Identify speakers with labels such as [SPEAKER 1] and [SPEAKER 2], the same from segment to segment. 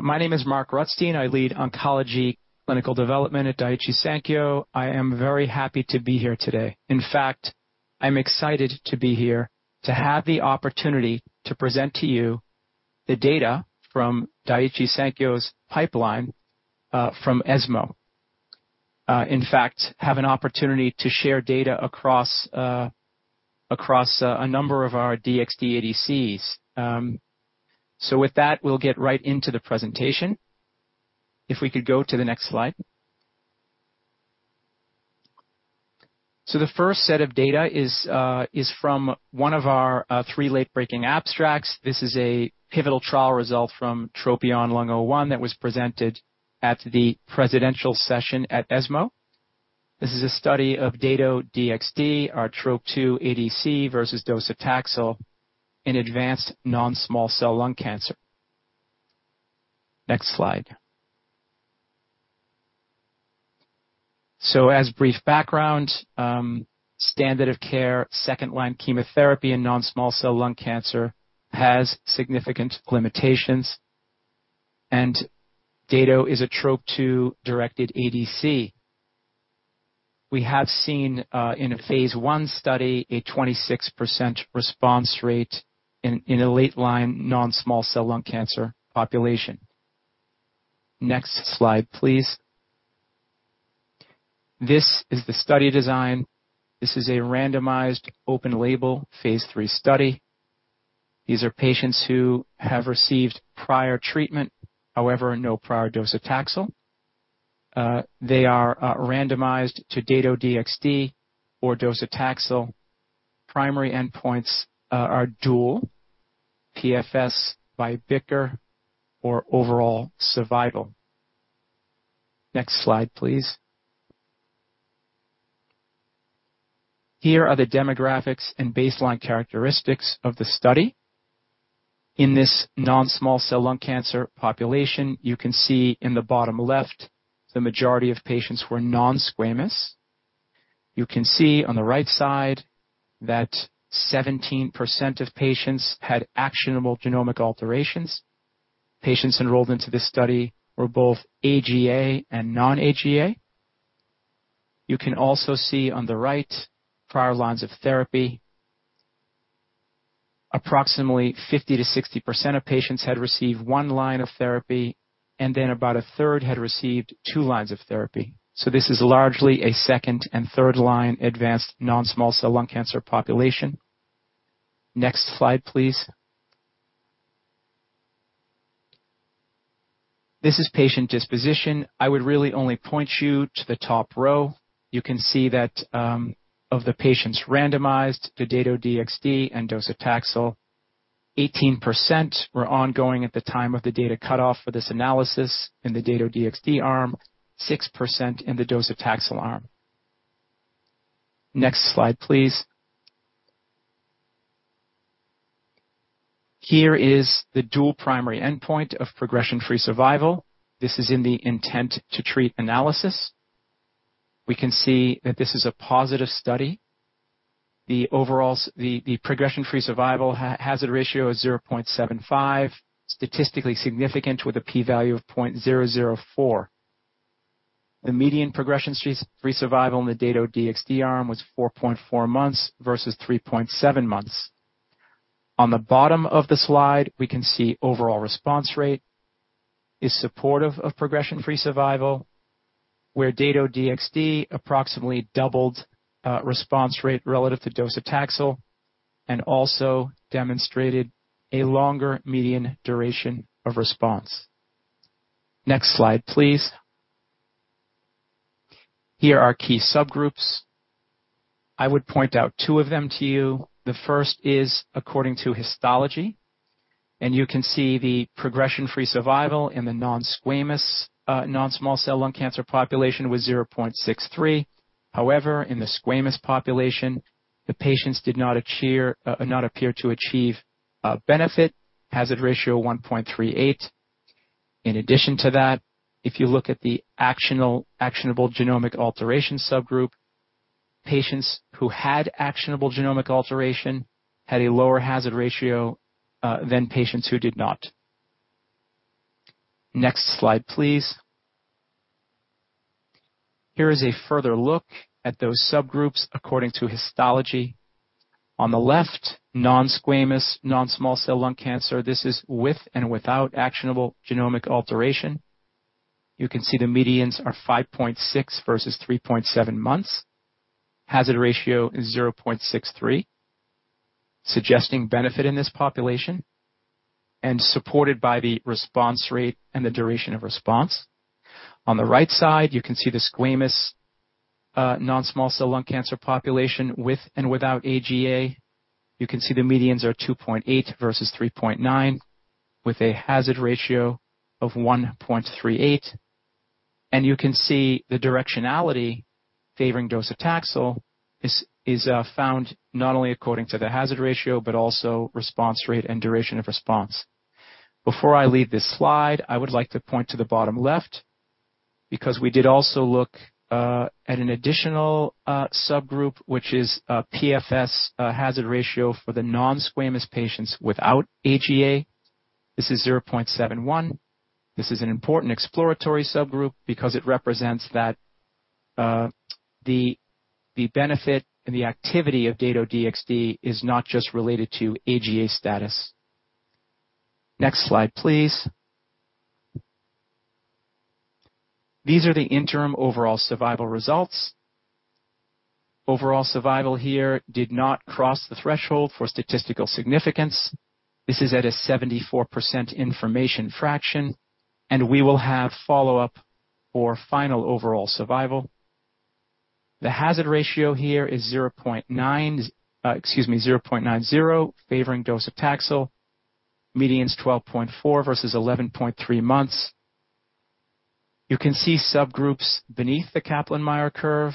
[SPEAKER 1] My name is Mark Rutstein. I lead Oncology Clinical Development at Daiichi Sankyo. I am very happy to be here today. In fact, I'm excited to be here to have the opportunity to present to you the data from Daiichi Sankyo's pipeline from ESMO. In fact, have an opportunity to share data across a number of our DXd ADCs. So with that, we'll get right into the presentation. If we could go to the next slide. So the first set of data is from one of our three late-breaking abstracts. This is a pivotal trial result from TROPION-Lung01, that was presented at the presidential session at ESMO. This is a study of Dato-DXd, our Trop-2 ADC, versus docetaxel in advanced non-small cell lung cancer. Next slide. As brief background, standard of care, second-line chemotherapy in non-small cell lung cancer has significant limitations, and Dato-DXd is a Trop-2-directed ADC. We have seen in a phase I study, a 26% response rate in a late-line non-small cell lung cancer population. Next slide, please. This is the study design. This is a randomized, open label, phase III study. These are patients who have received prior treatment, however, no prior docetaxel. They are randomized to Dato-DXd or docetaxel. Primary endpoints are dual PFS by BICR or overall survival. Next slide, please. Here are the demographics and baseline characteristics of the study. In this non-small cell lung cancer population, you can see in the bottom left, the majority of patients were non-squamous. You can see on the right side that 17% of patients had actionable genomic alterations. Patients enrolled into this study were both AGA and non-AGA. You can also see on the right, prior lines of therapy. Approximately 50%-60% of patients had received one line of therapy, and then about a third had received two lines of therapy. So this is largely a second and third line, advanced non-small cell lung cancer population. Next slide, please. This is patient disposition. I would really only point you to the top row. You can see that, of the patients randomized to Dato-DXd and docetaxel, 18% were ongoing at the time of the data cutoff for this analysis in the Dato-DXd arm, 6% in the docetaxel arm. Next slide, please. Here is the dual primary endpoint of progression-free survival. This is in the intent to treat analysis. We can see that this is a positive study. The overall progression-free survival hazard ratio is 0.75, statistically significant with a p-value of 0.004. The median progression-free survival in the Dato-DXd arm was 4.4 months versus 3.7 months. On the bottom of the slide, we can see overall response rate is supportive of progression-free survival, where Dato-DXd approximately doubled response rate relative to docetaxel and also demonstrated a longer median duration of response. Next slide, please. Here are key subgroups. I would point out two of them to you. The first is according to histology, and you can see the progression-free survival in the non-squamous non-small cell lung cancer population was 0.63. However, in the squamous population, the patients did not appear to achieve benefit, hazard ratio 1.38. In addition to that, if you look at the actionable genomic alteration subgroup, patients who had actionable genomic alteration had a lower hazard ratio than patients who did not. Next slide, please. Here is a further look at those subgroups according to histology. On the left, non-squamous non-small cell lung cancer. This is with and without actionable genomic alteration. You can see the medians are 5.6 versus 3.7 months. Hazard ratio is 0.63, suggesting benefit in this population and supported by the response rate and the duration of response. On the right side, you can see the squamous non-small cell lung cancer population with and without AGA. You can see the medians are 2.8 versus 3.9, with a hazard ratio of 1.38. You can see the directionality favoring docetaxel is found not only according to the hazard ratio, but also response rate and duration of response. Before I leave this slide, I would like to point to the bottom left. Because we did also look at an additional subgroup, which is a PFS hazard ratio for the non-squamous patients without AGA. This is 0.71. This is an important exploratory subgroup because it represents that the benefit and the activity of Dato-DXd is not just related to AGA status. Next slide, please. These are the interim overall survival results. Overall survival here did not cross the threshold for statistical significance. This is at a 74% information fraction, and we will have follow-up for final overall survival. The hazard ratio here is 0.9, excuse me, 0.90, favoring docetaxel. Median is 12.4 versus 11.3 months. You can see subgroups beneath the Kaplan-Meier curve.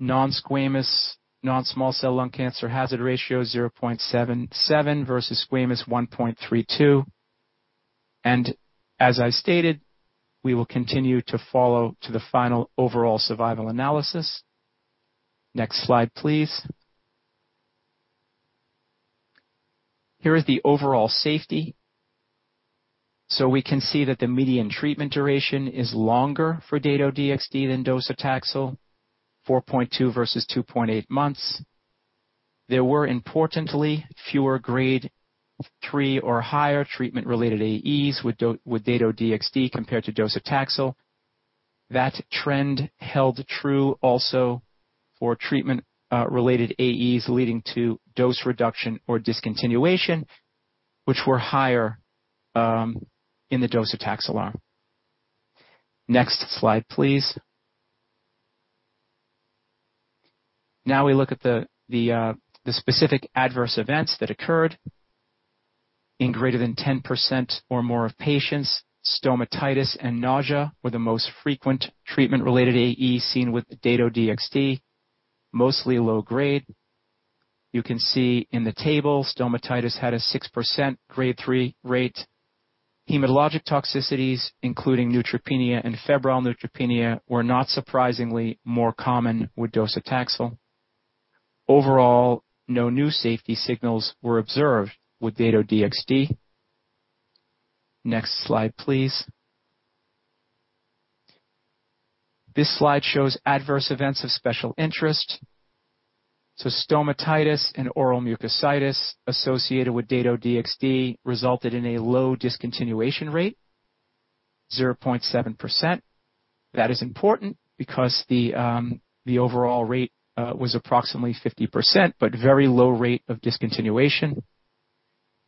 [SPEAKER 1] Non-squamous, non-small cell lung cancer hazard ratio 0.77 versus squamous 1.32. And as I stated, we will continue to follow to the final overall survival analysis. Next slide, please. Here is the overall safety. So we can see that the median treatment duration is longer for Dato-DXd than docetaxel, 4.2 versus 2.8 months. There were importantly, fewer grade 3 or higher treatment-related AEs with Dato-DXd compared to docetaxel. That trend held true also for treatment related AEs leading to dose reduction or discontinuation, which were higher in the docetaxel arm. Next slide, please. Now we look at the specific adverse events that occurred. In greater than 10% or more of patients, stomatitis and nausea were the most frequent treatment-related AE seen with the Dato-DXd, mostly low grade. You can see in the table, stomatitis had a 6% grade three rate. Hematologic toxicities, including neutropenia and febrile neutropenia, were not surprisingly more common with docetaxel. Overall, no new safety signals were observed with Dato-DXd. Next slide, please. This slide shows adverse events of special interest. So stomatitis and oral mucositis associated with Dato-DXd resulted in a low discontinuation rate, 0.7%. That is important because the overall rate was approximately 50%, but very low rate of discontinuation.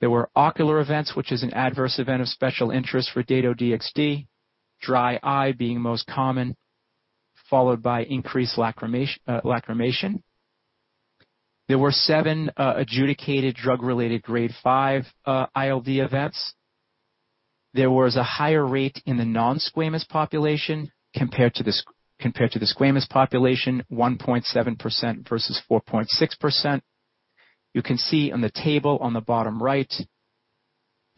[SPEAKER 1] There were ocular events, which is an adverse event of special interest for Dato-DXd, dry eye being most common, followed by increased lacrimation. There were 7 adjudicated drug-related grade 5 ILD events. There was a higher rate in the non-squamous population compared to the squamous population, 1.7% versus 4.6%. You can see on the table on the bottom right,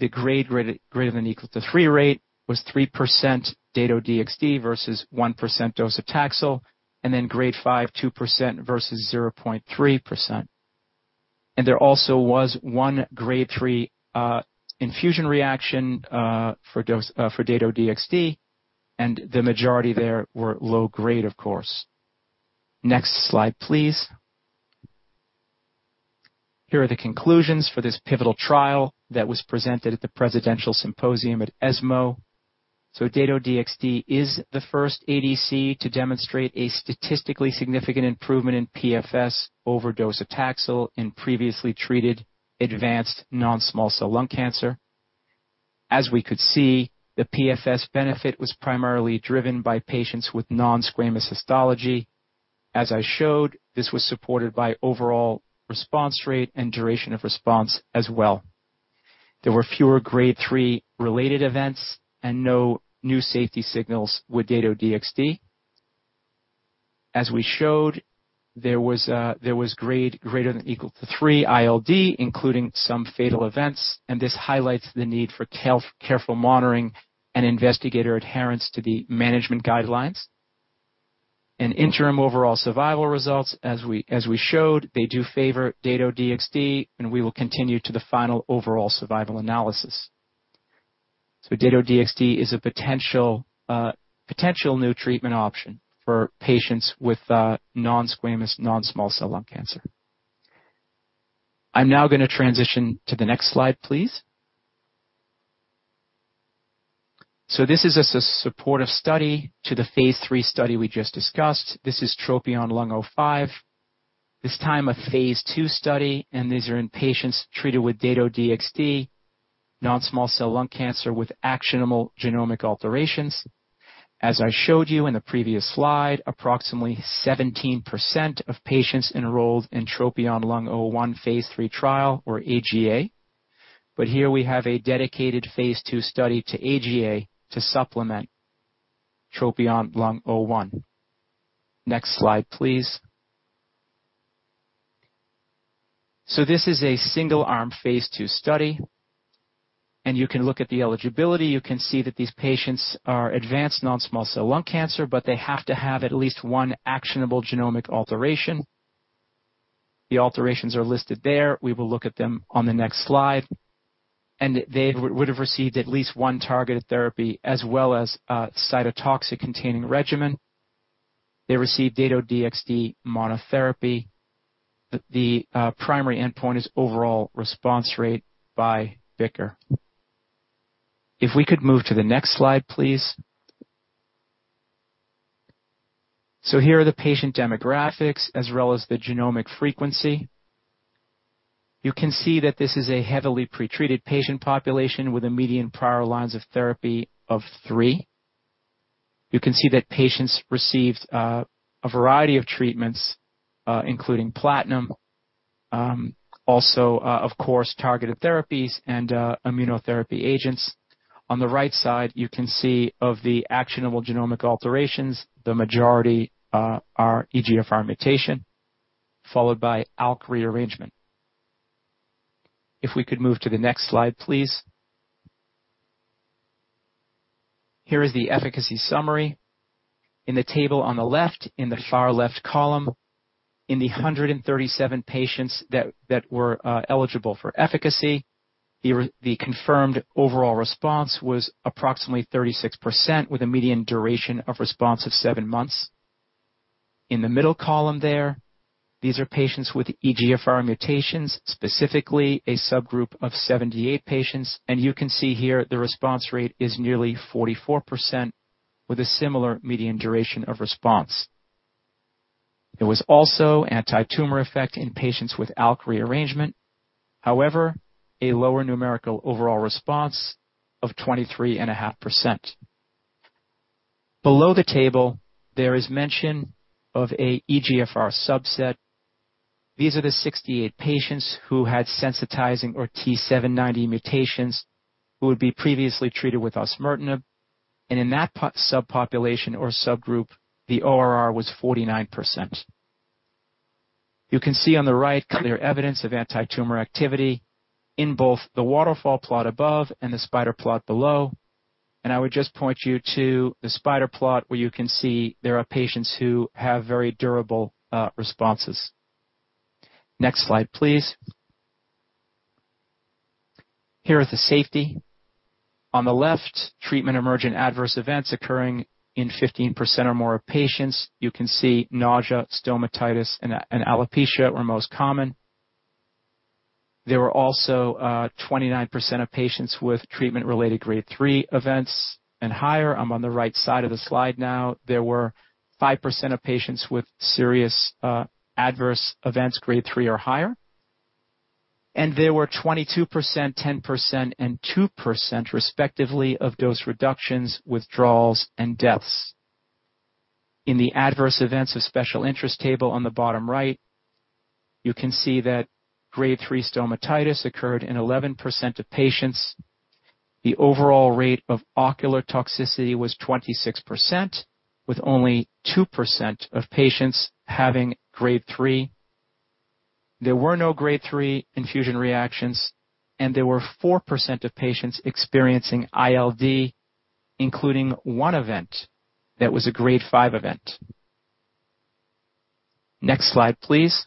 [SPEAKER 1] the grade greater than or equal to 3 rate was 3% Dato-DXd versus 1% docetaxel, and then grade 5, 2% versus 0.3%. There also was 1 grade 3 infusion reaction for Dato-DXd, and the majority there were low grade, of course. Next slide, please. Here are the conclusions for this pivotal trial that was presented at the Presidential Symposium at ESMO. So Dato-DXd is the first ADC to demonstrate a statistically significant improvement in PFS over docetaxel in previously treated advanced non-small cell lung cancer. As we could see, the PFS benefit was primarily driven by patients with non-squamous histology. As I showed, this was supported by overall response rate and duration of response as well. There were fewer grade 3 related events and no new safety signals with Dato-DXd. As we showed, there was grade greater than or equal to 3 ILD, including some fatal events, and this highlights the need for careful monitoring and investigator adherence to the management guidelines. Interim overall survival results, as we showed, do favor Dato-DXd, and we will continue to the final overall survival analysis. Dato-DXd is a potential, potential new treatment option for patients with non-squamous, non-small cell lung cancer. I'm now going to transition to the next slide, please. This is a supportive study to the phase III study we just discussed. This is TROPION-Lung05, this time a phase II study, and these are in patients treated with Dato-DXd, non-small cell lung cancer with actionable genomic alterations. As I showed you in the previous slide, approximately 17% of patients enrolled in TROPION-Lung01 phase III trial or AGA. But here we have a dedicated phase II study to AGA to supplement TROPION-Lung01. Next slide, please.... So this is a single-arm phase II study, and you can look at the eligibility. You can see that these patients are advanced non-small cell lung cancer, but they have to have at least one actionable genomic alteration. The alterations are listed there. We will look at them on the next slide. And they would have received at least one targeted therapy as well as a cytotoxic-containing regimen. They received Dato-DXd monotherapy. The primary endpoint is overall response rate by BICR. If we could move to the next slide, please. Here are the patient demographics as well as the genomic frequency. You can see that this is a heavily pretreated patient population with a median prior lines of therapy of 3. You can see that patients received a variety of treatments, including platinum. Also, of course, targeted therapies and immunotherapy agents. On the right side, you can see of the actionable genomic alterations, the majority are EGFR mutation, followed by ALK rearrangement. If we could move to the next slide, please. Here is the efficacy summary. In the table on the left, in the far left column, in the 137 patients that were eligible for efficacy, the confirmed overall response was approximately 36%, with a median duration of response of 7 months. In the middle column there, these are patients with EGFR mutations, specifically a subgroup of 78 patients, and you can see here the response rate is nearly 44%, with a similar median duration of response. There was also antitumor effect in patients with ALK rearrangement. However, a lower numerical overall response of 23.5%. Below the table, there is mention of a EGFR subset. These are the 68 patients who had sensitizing or T790M mutations, who would be previously treated with osimertinib, and in that subpopulation or subgroup, the ORR was 49%. You can see on the right, clear evidence of antitumor activity in both the waterfall plot above and the spider plot below. And I would just point you to the spider plot, where you can see there are patients who have very durable, responses. Next slide, please. Here are the safety. On the left, treatment-emergent adverse events occurring in 15% or more of patients. You can see nausea, stomatitis, and, and alopecia were most common. There were also 29% of patients with treatment-related Grade 3 events and higher. I'm on the right side of the slide now. There were 5% of patients with serious, adverse events, Grade 3 or higher. There were 22%, 10%, and 2%, respectively, of dose reductions, withdrawals, and deaths. In the adverse events of special interest table on the bottom right, you can see that Grade 3 stomatitis occurred in 11% of patients. The overall rate of ocular toxicity was 26%, with only 2% of patients having Grade 3. There were no Grade 3 infusion reactions, and there were 4% of patients experiencing ILD, including one event that was a Grade 5 event. Next slide, please.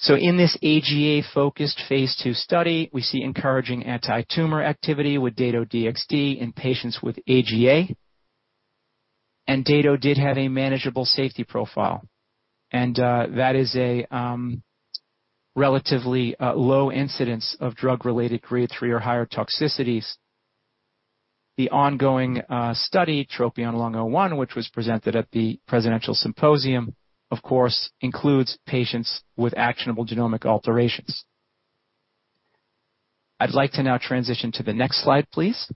[SPEAKER 1] So in this AGA-focused phase II study, we see encouraging antitumor activity with Dato-DXd in patients with AGA, and Dato did have a manageable safety profile, and, that is a, relatively, low incidence of drug-related Grade 3 or higher toxicities. The ongoing, study, TROPION-Lung01, which was presented at the Presidential Symposium, of course, includes patients with actionable genomic alterations. I'd like to now transition to the next slide, please.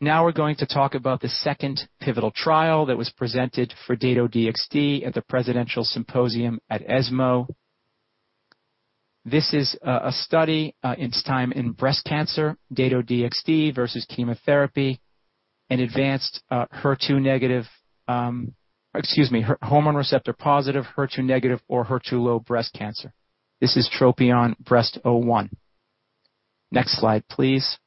[SPEAKER 1] Now we're going to talk about the second pivotal trial that was presented for Dato-DXd at the Presidential Symposium at ESMO. This is a, a study, it's time in breast cancer, Dato-DXd versus chemotherapy in advanced, HER2-negative, Hormone receptor-positive, HER2-negative, or HER2-low breast cancer. This is TROPION-Breast01. Next slide, please.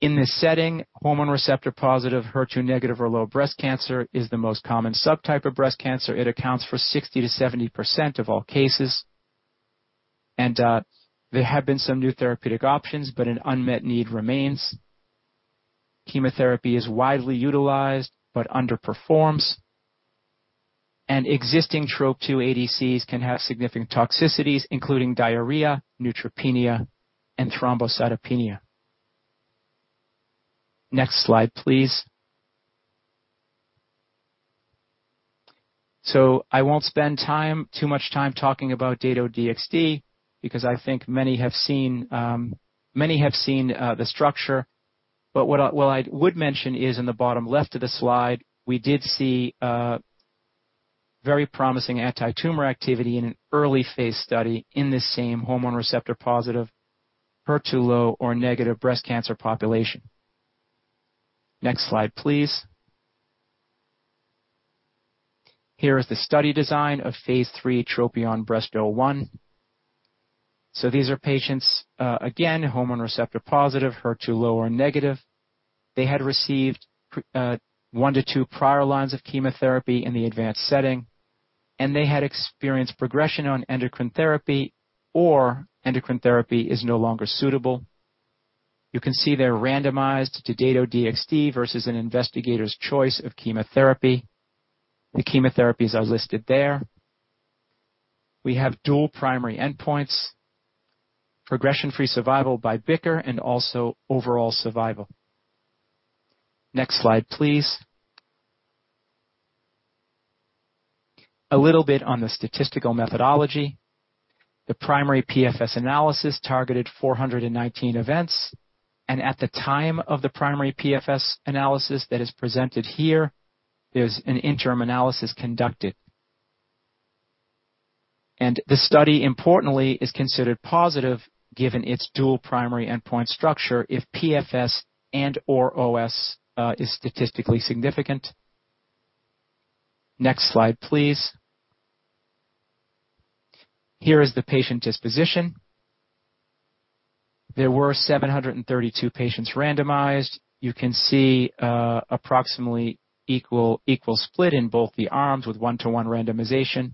[SPEAKER 1] In this setting, hormone receptor-positive, HER2-negative or low breast cancer is the most common subtype of breast cancer. It accounts for 60%-70% of all cases, and there have been some new therapeutic options, but an unmet need remains. Chemotherapy is widely utilized but underperforms, and existing Trop-2 ADCs can have significant toxicities, including diarrhea, neutropenia, and thrombocytopenia. Next slide, please. So I won't spend time, too much time talking about Dato-DXd because I think many have seen many have seen the structure, but what I, what I would mention is in the bottom left of the slide, we did see very promising anti-tumor activity in an early phase study in this same hormone receptor-positive, HER2-low or negative breast cancer population. Next slide, please. Here is the study design of phase III TROPION-Breast01. These are patients, again, hormone receptor-positive, HER2-low or negative. They had received one to two prior lines of chemotherapy in the advanced setting, and they had experienced progression on endocrine therapy, or endocrine therapy is no longer suitable. You can see they're randomized to Dato-DXd versus an investigator's choice of chemotherapy. The chemotherapies are listed there. We have dual primary endpoints: progression-free survival by BICR and also overall survival. Next slide, please. A little bit on the statistical methodology. The primary PFS analysis targeted 419 events, and at the time of the primary PFS analysis that is presented here, there's an interim analysis conducted. The study, importantly, is considered positive given its dual primary endpoint structure, if PFS and/or OS is statistically significant. Next slide, please. Here is the patient disposition. There were 732 patients randomized. You can see approximately equal, equal split in both the arms with one-to-one randomization.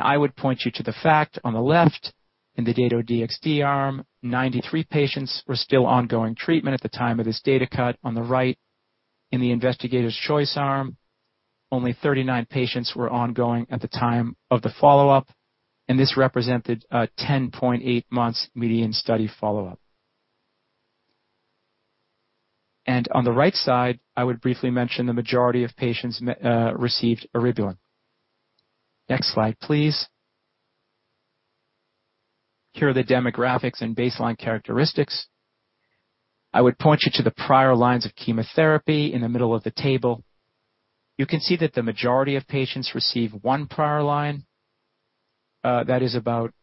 [SPEAKER 1] I would point you to the fact on the left, in the Dato-DXd, 93 patients were still ongoing treatment at the time of this data cut. On the right, in the investigator's choice arm, only 39 patients were ongoing at the time of the follow-up, and this represented a 10.8 months median study follow-up. On the right side, I would briefly mention the majority of patients received eribulin. Next slide, please. Here are the demographics and baseline characteristics. I would point you to the prior lines of chemotherapy in the middle of the table. You can see that the majority of patients received one prior line. That is about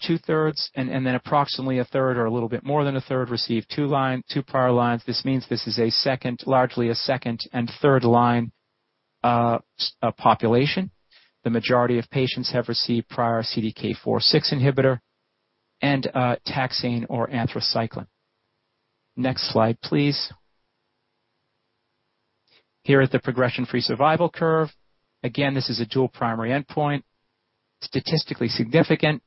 [SPEAKER 1] two-thirds, and then approximately a third, or a little bit more than a third, received two prior lines. This means this is largely a second and third line population. The majority of patients have received prior CDK4/6 inhibitor and taxane or anthracycline. Next slide, please. Here are the progression-free survival curve. Again, this is a dual primary endpoint, statistically significant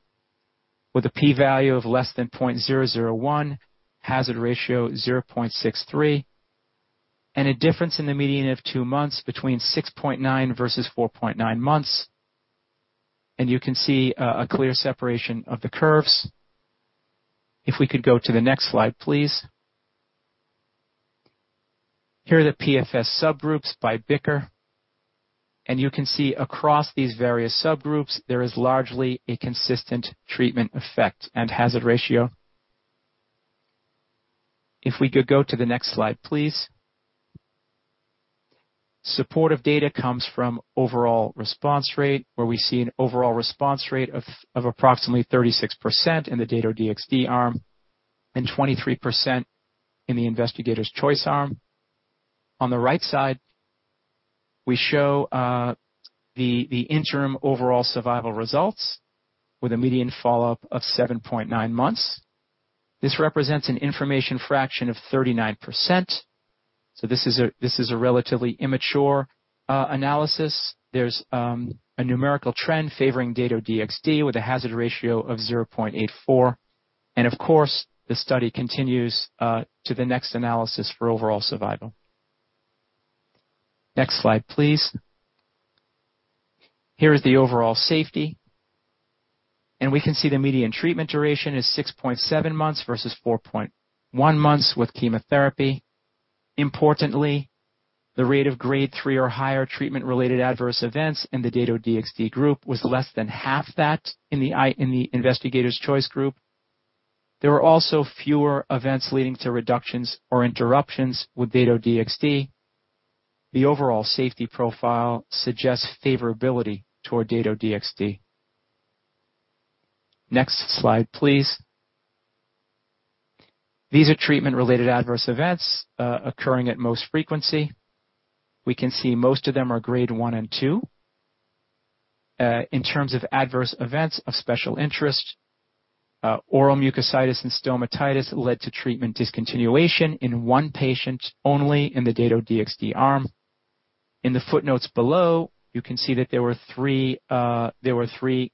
[SPEAKER 1] with a p-value of less than 0.001, hazard ratio 0.63, and a difference in the median of 2 months between 6.9 versus 4.9 months. You can see a clear separation of the curves. If we could go to the next slide, please. Here are the PFS subgroups by BICR, and you can see across these various subgroups, there is largely a consistent treatment effect and hazard ratio. If we could go to the next slide, please. Supportive data comes from overall response rate, where we see an overall response rate of approximately 36% in the Dato-DXd arm and 23% in the investigator's choice arm. On the right side, we show the interim overall survival results with a median follow-up of 7.9 months. This represents an information fraction of 39%, so this is a relatively immature analysis. There's a numerical trend favoring Dato-DXd with a hazard ratio of 0.84. And of course, the study continues to the next analysis for overall survival. Next slide, please. Here is the overall safety, and we can see the median treatment duration is 6.7 months versus 4.1 months with chemotherapy. Importantly, the rate of grade three or higher treatment-related adverse events in the Dato-DXd group was less than half that in the investigator's choice group. There were also fewer events leading to reductions or interruptions with Dato-DXd. The overall safety profile suggests favorability toward Dato-DXd. Next slide, please. These are treatment-related adverse events occurring at most frequency. We can see most of them are grade one and two. In terms of adverse events of special interest, oral mucositis and stomatitis led to treatment discontinuation in one patient only in the Dato-DXd arm. In the footnotes below, you can see that there were 3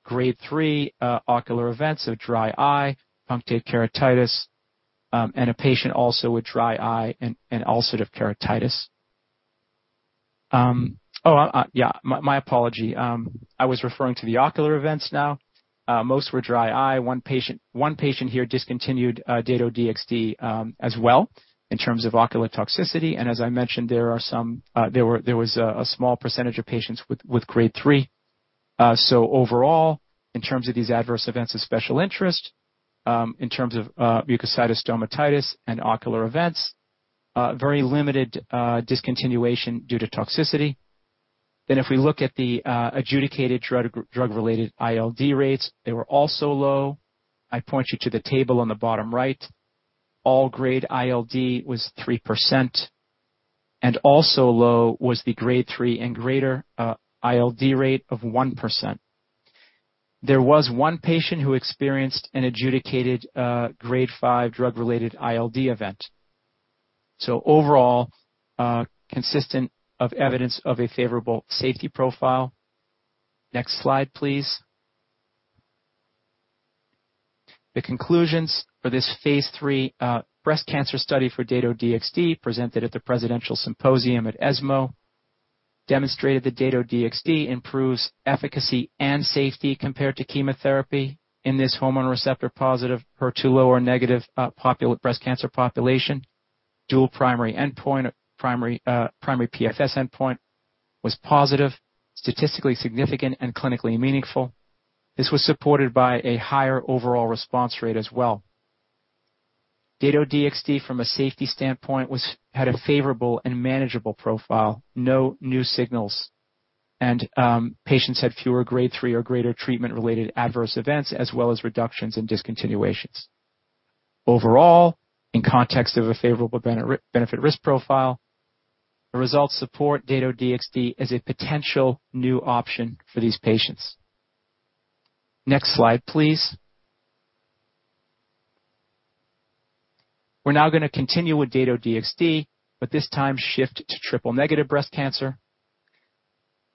[SPEAKER 1] Grade 3 ocular events of dry eye, punctate keratitis, and a patient also with dry eye and ulcerative keratitis. My apology. I was referring to the ocular events now. Most were dry eye. One patient here discontinued Dato-DXd as well in terms of ocular toxicity. And as I mentioned, there are some, there were—there was a small percentage of patients with Grade 3. So overall, in terms of these adverse events of special interest, in terms of mucositis, stomatitis, and ocular events, very limited discontinuation due to toxicity. Then, if we look at the adjudicated drug-related ILD rates, they were also low. I point you to the table on the bottom right. All-grade ILD was 3%, and also low was the grade 3 and greater ILD rate of 1%. There was one patient who experienced an adjudicated, grade 5 drug-related ILD event. Overall, consistent of evidence of a favorable safety profile. Next slide, please. The conclusions for this phase III breast cancer study for Dato-DXd, presented at the Presidential Symposium at ESMO, demonstrated that Dato-DXd improves efficacy and safety compared to chemotherapy in this hormone receptor-positive HER2-low or negative breast cancer population. Dual primary endpoint, primary PFS endpoint was positive, statistically significant, and clinically meaningful. This was supported by a higher overall response rate as well. Dato-DXd, from a safety standpoint, had a favorable and manageable profile, no new signals, and patients had fewer grade 3 or greater treatment-related adverse events, as well as reductions in discontinuations. Overall, in context of a favorable benefit risk profile, the results support Dato-DXd as a potential new option for these patients. Next slide, please. We're now going to continue with Dato-DXd, but this time shift to triple-negative breast cancer.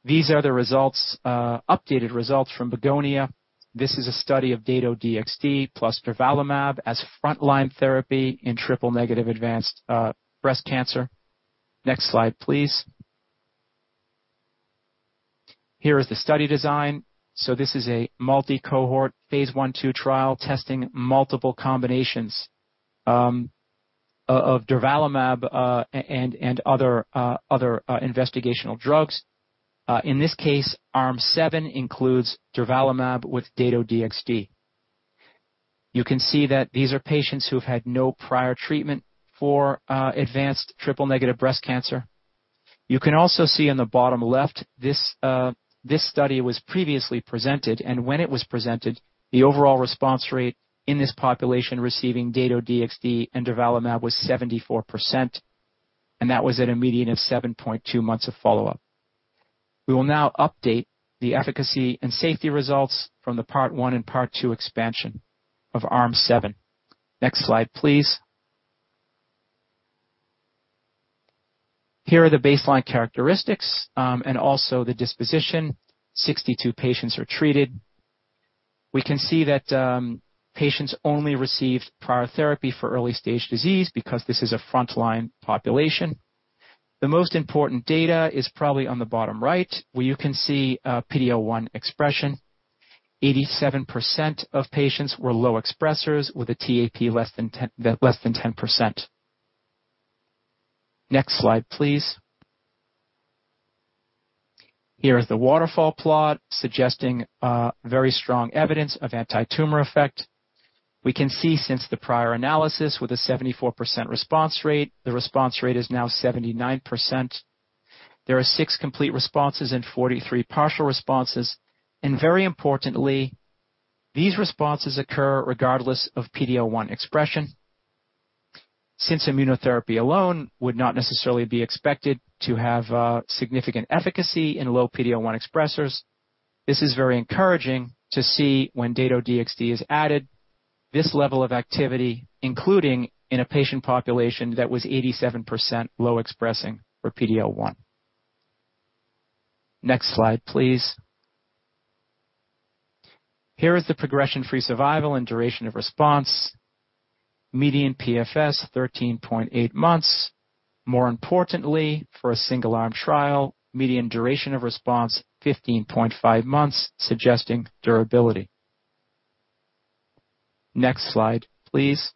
[SPEAKER 1] These are the results, updated results from BEGONIA. This is a study of Dato-DXd plus durvalumab as frontline therapy in triple-negative advanced breast cancer. Next slide, please. Here is the study design. So this is a multi-cohort, phase 1/2 trial, testing multiple combinations of durvalumab and other investigational drugs. In this case, Arm 7 includes durvalumab with Dato-DXd. You can see that these are patients who've had no prior treatment for advanced triple-negative breast cancer. You can also see on the bottom left, this study was previously presented, and when it was presented, the overall response rate in this population receiving Dato-DXd and durvalumab was 74%, and that was at a median of 7.2 months of follow-up. We will now update the efficacy and safety results from the part one and part two expansion of Arm 7. Next slide, please. Here are the baseline characteristics, and also the disposition. 62 patients are treated. We can see that patients only received prior therapy for early-stage disease because this is a frontline population. The most important data is probably on the bottom right, where you can see PD-L1 expression. 87% of patients were low expressers with a TAP less than 10, less than 10%. Next slide, please. Here is the waterfall plot, suggesting very strong evidence of anti-tumor effect. We can see since the prior analysis, with a 74% response rate, the response rate is now 79%. There are six complete responses and 43 partial responses, and very importantly, these responses occur regardless of PD-L1 expression. Since immunotherapy alone would not necessarily be expected to have significant efficacy in low PD-L1 expressers, this is very encouraging to see when Dato-DXd is added, this level of activity, including in a patient population that was 87% low expressing for PD-L1. Next slide, please. Here is the progression-free survival and duration of response. Median PFS, 13.8 months. More importantly, for a single-arm trial, median duration of response, 15.5 months, suggesting durability. Next slide, please.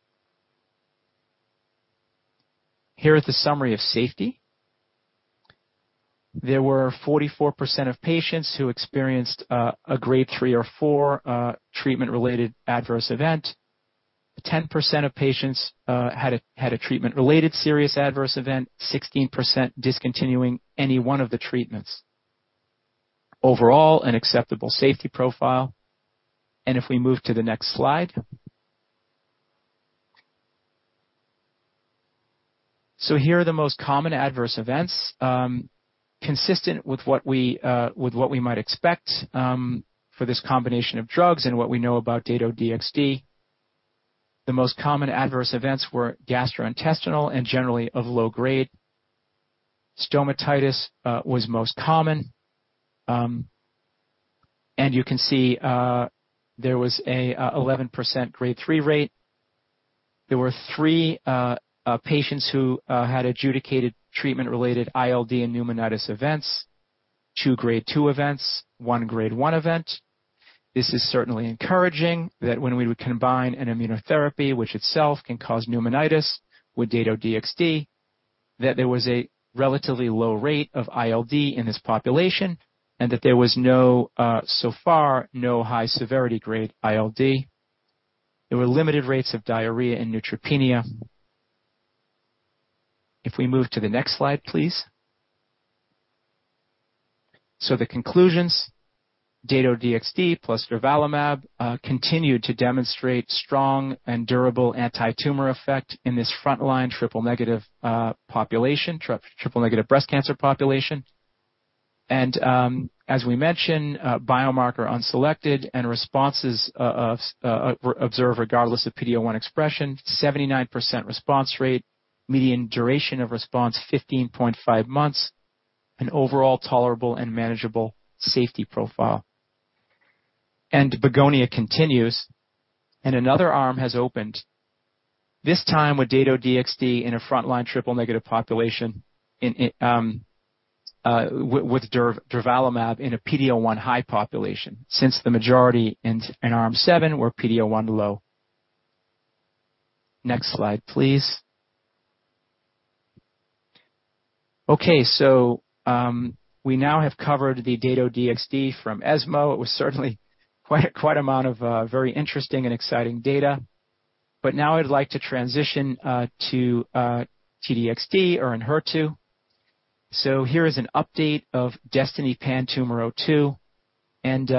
[SPEAKER 1] Here is the summary of safety. There were 44% of patients who experienced a grade 3 or 4 treatment-related adverse event. 10% of patients had a treatment-related serious adverse event, 16% discontinuing any one of the treatments. Overall, an acceptable safety profile. If we move to the next slide. Here are the most common adverse events. Consistent with what we might expect for this combination of drugs and what we know about Dato-DXd. The most common adverse events were gastrointestinal and generally of low grade. Stomatitis was most common. You can see there was an 11% grade 3 rate. There were 3 patients who had adjudicated treatment-related ILD and pneumonitis events. Two grade 2 events, one grade 1 event. This is certainly encouraging, that when we would combine an immunotherapy, which itself can cause pneumonitis, with Dato-DXd... that there was a relatively low rate of ILD in this population, and that there was no, so far, no high severity grade ILD. There were limited rates of diarrhea and neutropenia. If we move to the next slide, please. So the conclusions, Dato-DXd plus durvalumab, continued to demonstrate strong and durable anti-tumor effect in this frontline triple negative, population, triple negative breast cancer population. And, as we mentioned, biomarker unselected and responses were observed regardless of PD-L1 expression, 79% response rate, median duration of response, 15.5 months, an overall tolerable and manageable safety profile. BEGONIA continues, and another arm has opened, this time with Dato-DXd in a frontline triple negative population, with durvalumab in a PD-L1 high population since the majority in Arm 7 were PD-L1 low. Next slide, please. Okay, so we now have covered the Dato-DXd from ESMO. It was certainly quite an amount of very interesting and exciting data. But now I'd like to transition to T-DXd or Enhertu in HER2. So here is an update of DESTINY-PanTumor02, and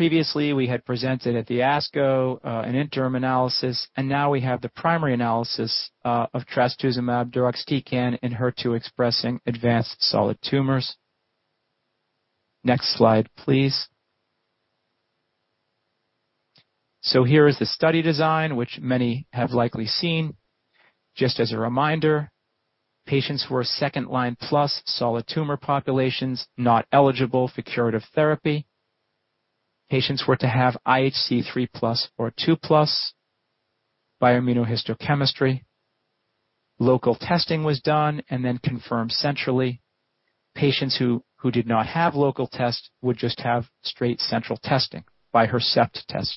[SPEAKER 1] previously we had presented at the ASCO an interim analysis, and now we have the primary analysis of trastuzumab deruxtecan in HER2-expressing advanced solid tumors. Next slide, please. So here is the study design, which many have likely seen. Just as a reminder, patients who are second line plus solid tumor populations, not eligible for curative therapy. Patients were to have IHC 3+ or 2+ by immunohistochemistry. Local testing was done and then confirmed centrally. Patients who did not have local test would just have straight central testing by HercepTest.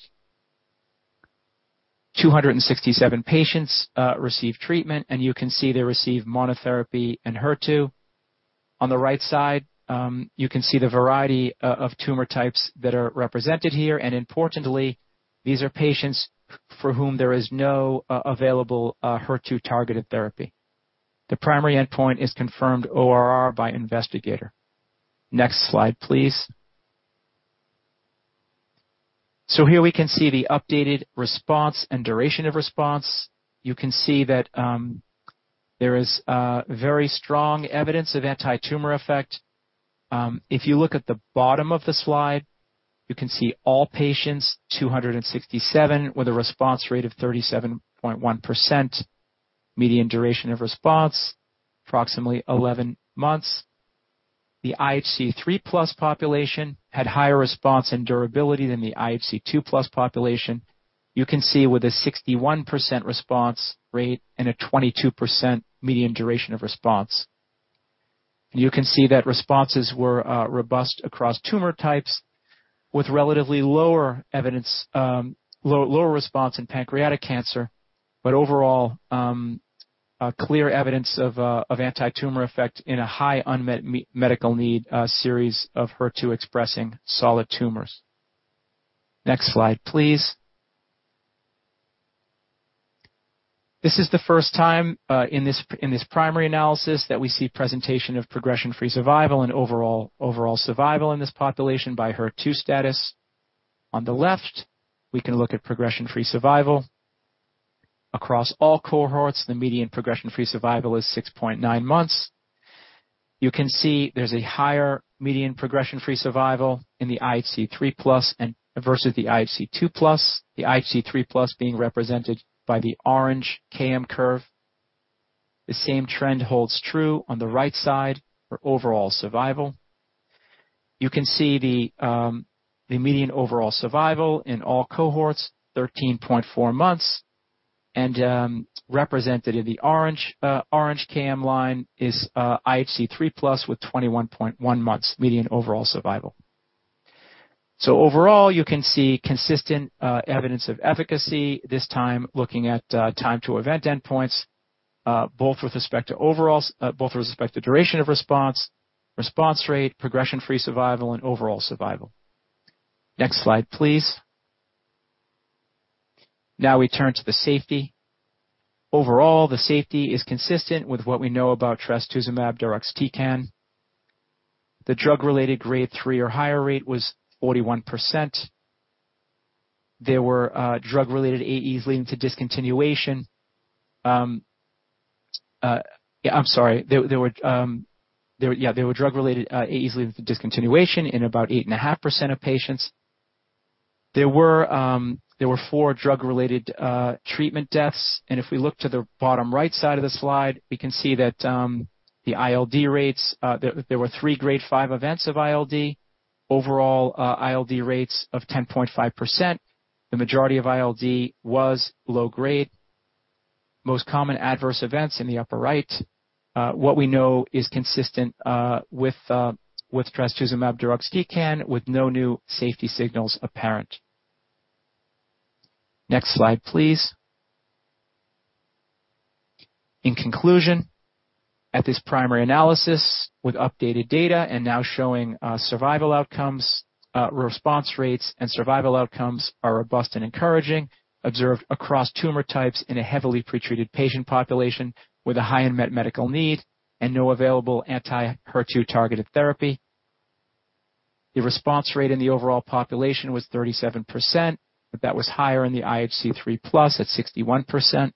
[SPEAKER 1] 267 patients received treatment, and you can see they received monotherapy and HER2. On the right side, you can see the variety of tumor types that are represented here, and importantly, these are patients for whom there is no available HER2-targeted therapy. The primary endpoint is confirmed ORR by investigator. Next slide, please. So here we can see the updated response and duration of response. You can see that there is very strong evidence of anti-tumor effect. If you look at the bottom of the slide, you can see all patients, 267, with a response rate of 37.1%. Median duration of response, approximately 11 months. The IHC 3+ population had higher response and durability than the IHC 2+ population. You can see with a 61% response rate and a 22% median duration of response. You can see that responses were robust across tumor types with relatively lower evidence, lower response in pancreatic cancer, but overall, a clear evidence of anti-tumor effect in a high unmet medical need series of HER2-expressing solid tumors. Next slide, please. This is the first time in this primary analysis that we see presentation of progression-free survival and overall survival in this population by HER2 status. On the left, we can look at progression-free survival. Across all cohorts, the median progression-free survival is 6.9 months. You can see there's a higher median progression-free survival in the IHC 3+ and versus the IHC 2+, the IHC 3+ being represented by the orange KM curve. The same trend holds true on the right side for overall survival. You can see the, the median overall survival in all cohorts, 13.4 months, and, represented in the orange, orange KM line is, IHC 3+ with 21.1 months median overall survival. So overall, you can see consistent, evidence of efficacy, this time looking at, time to event endpoints, both with respect to overall, both with respect to duration of response, response rate, progression-free survival, and overall survival. Next slide, please. Now we turn to the safety. Overall, the safety is consistent with what we know about trastuzumab deruxtecan. The drug-related grade 3 or higher rate was 41%. There were drug-related AEs leading to discontinuation. I'm sorry. There were drug-related AEs with discontinuation in about 8.5% of patients. There were 4 drug-related treatment deaths, and if we look to the bottom right side of the slide, we can see that the ILD rates, there were 3 grade 5 events of ILD. Overall, ILD rates of 10.5%. The majority of ILD was low grade. Most common adverse events in the upper right, what we know is consistent with trastuzumab deruxtecan, with no new safety signals apparent. Next slide, please. In conclusion, at this primary analysis with updated data and now showing, survival outcomes, response rates and survival outcomes are robust and encouraging, observed across tumor types in a heavily pretreated patient population with a high unmet medical need and no available anti-HER2 targeted therapy. The response rate in the overall population was 37%, but that was higher in the IHC 3+ at 61%.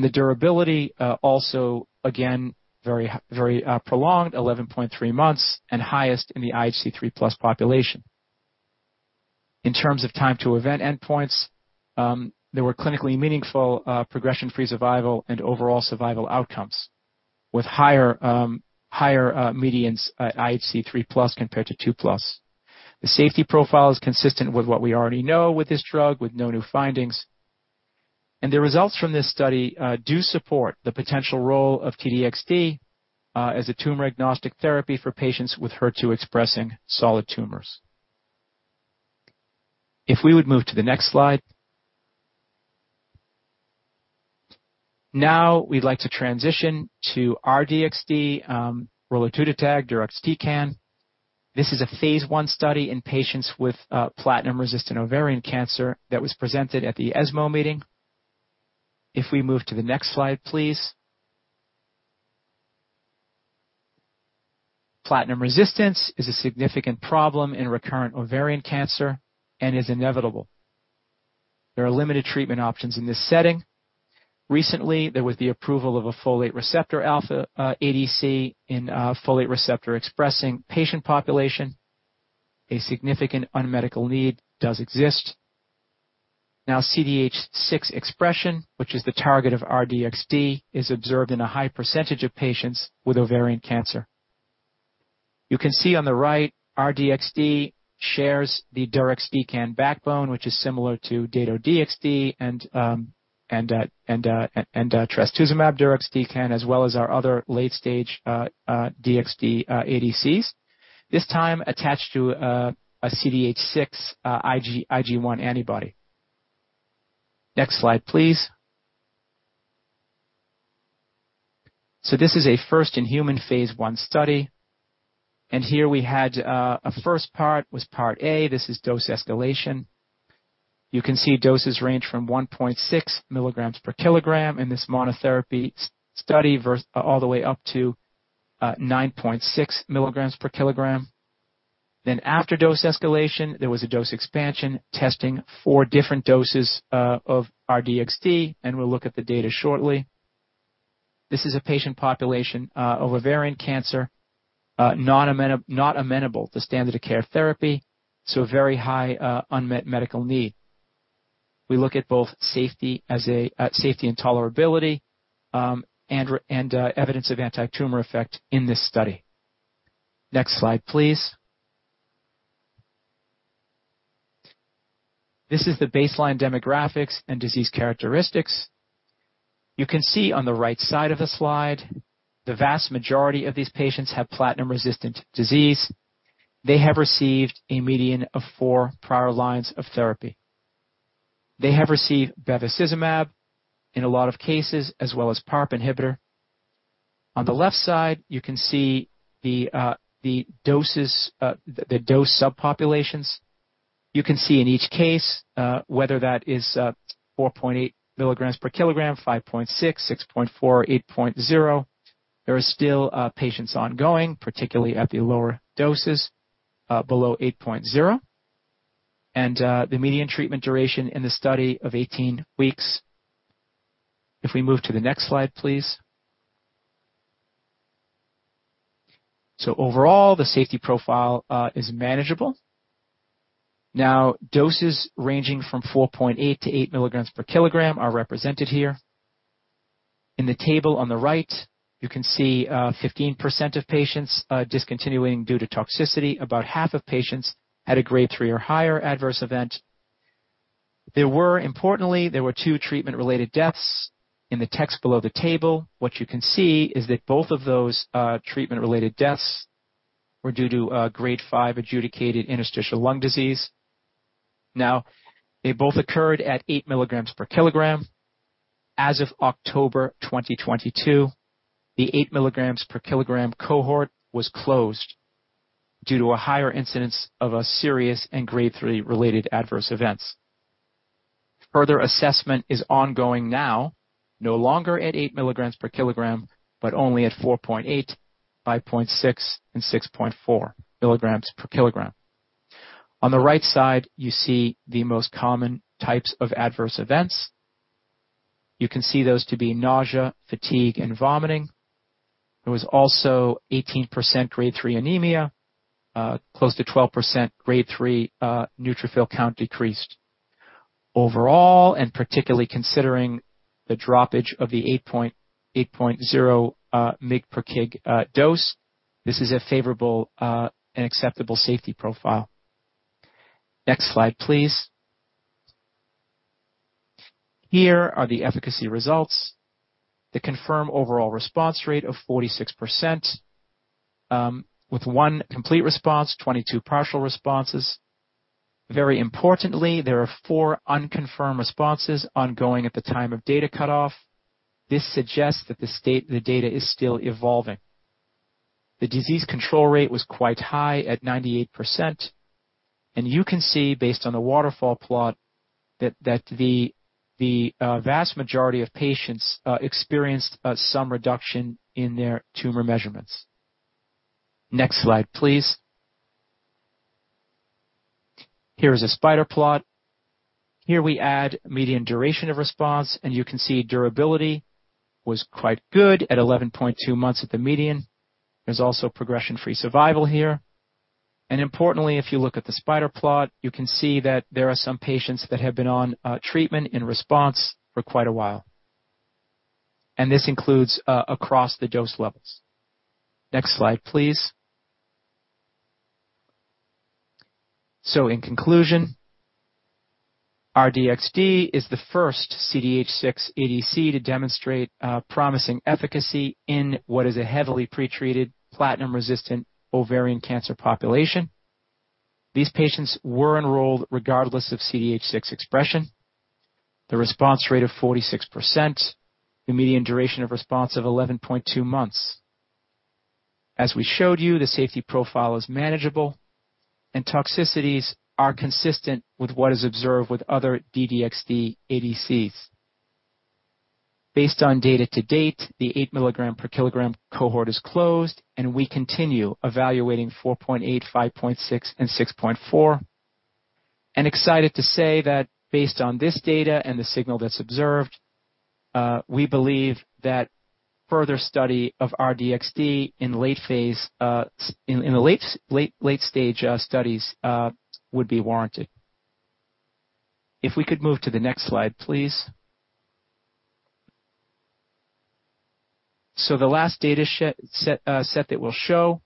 [SPEAKER 1] The durability, also, again, very prolonged, 11.3 months and highest in the IHC 3+ population. In terms of time to event endpoints, there were clinically meaningful, progression-free survival and overall survival outcomes with higher medians, IHC 3+ compared to 2+. The safety profile is consistent with what we already know with this drug, with no new findings. The results from this study do support the potential role of T-DXd as a tumor-agnostic therapy for patients with HER2 expressing solid tumors. If we would move to the next slide. Now, we'd like to transition to R-DXd, raludotatug deruxtecan. This is a phase I study in patients with platinum-resistant ovarian cancer that was presented at the ESMO meeting. If we move to the next slide, please. Platinum resistance is a significant problem in recurrent ovarian cancer and is inevitable. There are limited treatment options in this setting. Recently, there was the approval of a folate receptor alpha ADC in a folate receptor expressing patient population. A significant unmet medical need does exist. Now, CDH6 expression, which is the target of R-DXd, is observed in a high percentage of patients with ovarian cancer. You can see on the right, R-DXd shares the deruxtecan backbone, which is similar to Dato-DXd and trastuzumab deruxtecan, as well as our other late stage DXd ADCs. This time attached to a CDH6 IgG1 antibody. Next slide, please. This is a first in human phase I study, and here we had a first part, was part A. This is dose escalation. You can see doses range from 1.6 mg per kg in this monotherapy study, all the way up to 9.6 mg per kg. After dose escalation, there was a dose expansion, testing four different doses of R-DXd, and we'll look at the data shortly. This is a patient population of ovarian cancer, not amenable to standard of care therapy, so a very high unmet medical need. We look at both safety and tolerability, and evidence of antitumor effect in this study. Next slide, please. This is the baseline demographics and disease characteristics. You can see on the right side of the slide, the vast majority of these patients have platinum-resistant disease. They have received a median of four prior lines of therapy. They have received bevacizumab in a lot of cases, as well as PARP inhibitor. On the left side, you can see the doses, the dose subpopulations. You can see in each case, whether that is 4.8 m per kilog/kg, 5.6, 6.4, 8.0. There are still patients ongoing, particularly at the lower doses, below 8.0. The median treatment duration in the study of 18 weeks. If we move to the next slide, please. So overall, the safety profile is manageable. Now, doses ranging from 4.8-8 milligrams per kilogram are represented here. In the table on the right, you can see 15% of patients discontinuing due to toxicity. About half of patients had a grade 3 or higher adverse event. There were importantly, there were two treatment-related deaths. In the text below the table, what you can see is that both of those treatment-related deaths were due to a grade 5 adjudicated interstitial lung disease. Now, they both occurred at 8 milligrams per kilogram. As of October 2022, the 8 milligrams per kilogram cohort was closed due to a higher incidence of a serious and grade three related adverse events. Further assessment is ongoing now, no longer at 8 milligrams per kilogram, but only at 4.8, 5.6, and 6.4 milligrams per kilogram. On the right side, you see the most common types of adverse events. You can see those to be nausea, fatigue, and vomiting. There was also 18% grade three anemia, close to 12% grade three, neutrophil count decreased. Overall, and particularly considering the droppage of the 8.0 mg per kg dose, this is a favorable, and acceptable safety profile. Next slide, please. Here are the efficacy results that confirm overall response rate of 46%, with 1 complete response, 22 partial responses. Very importantly, there are four unconfirmed responses ongoing at the time of data cutoff. This suggests that the state, the data is still evolving. The disease control rate was quite high at 98%, and you can see, based on the waterfall plot, that the vast majority of patients experienced some reduction in their tumor measurements. Next slide, please. Here is a spider plot. Here we add median duration of response, and you can see durability was quite good at 11.2 months at the median. There's also progression-free survival here, and importantly, if you look at the spider plot, you can see that there are some patients that have been on treatment in response for quite a while, and this includes across the dose levels. Next slide, please. So in conclusion, R-DXd is the first CDH6 ADC to demonstrate promising efficacy in what is a heavily pretreated, platinum-resistant ovarian cancer population. These patients were enrolled regardless of CDH6 expression. The response rate of 46%, the median duration of response of 11.2 months. As we showed you, the safety profile is manageable, and toxicities are consistent with what is observed with other DXd ADCs. Based on data to date, the 8 milligram per kilogram cohort is closed, and we continue evaluating 4.8, 5.6, and 6.4. And excited to say that based on this data and the signal that's observed, we believe that further study of R-DXd in late phase, in the late-stage studies would be warranted. If we could move to the next slide, please. So the last data set that we'll show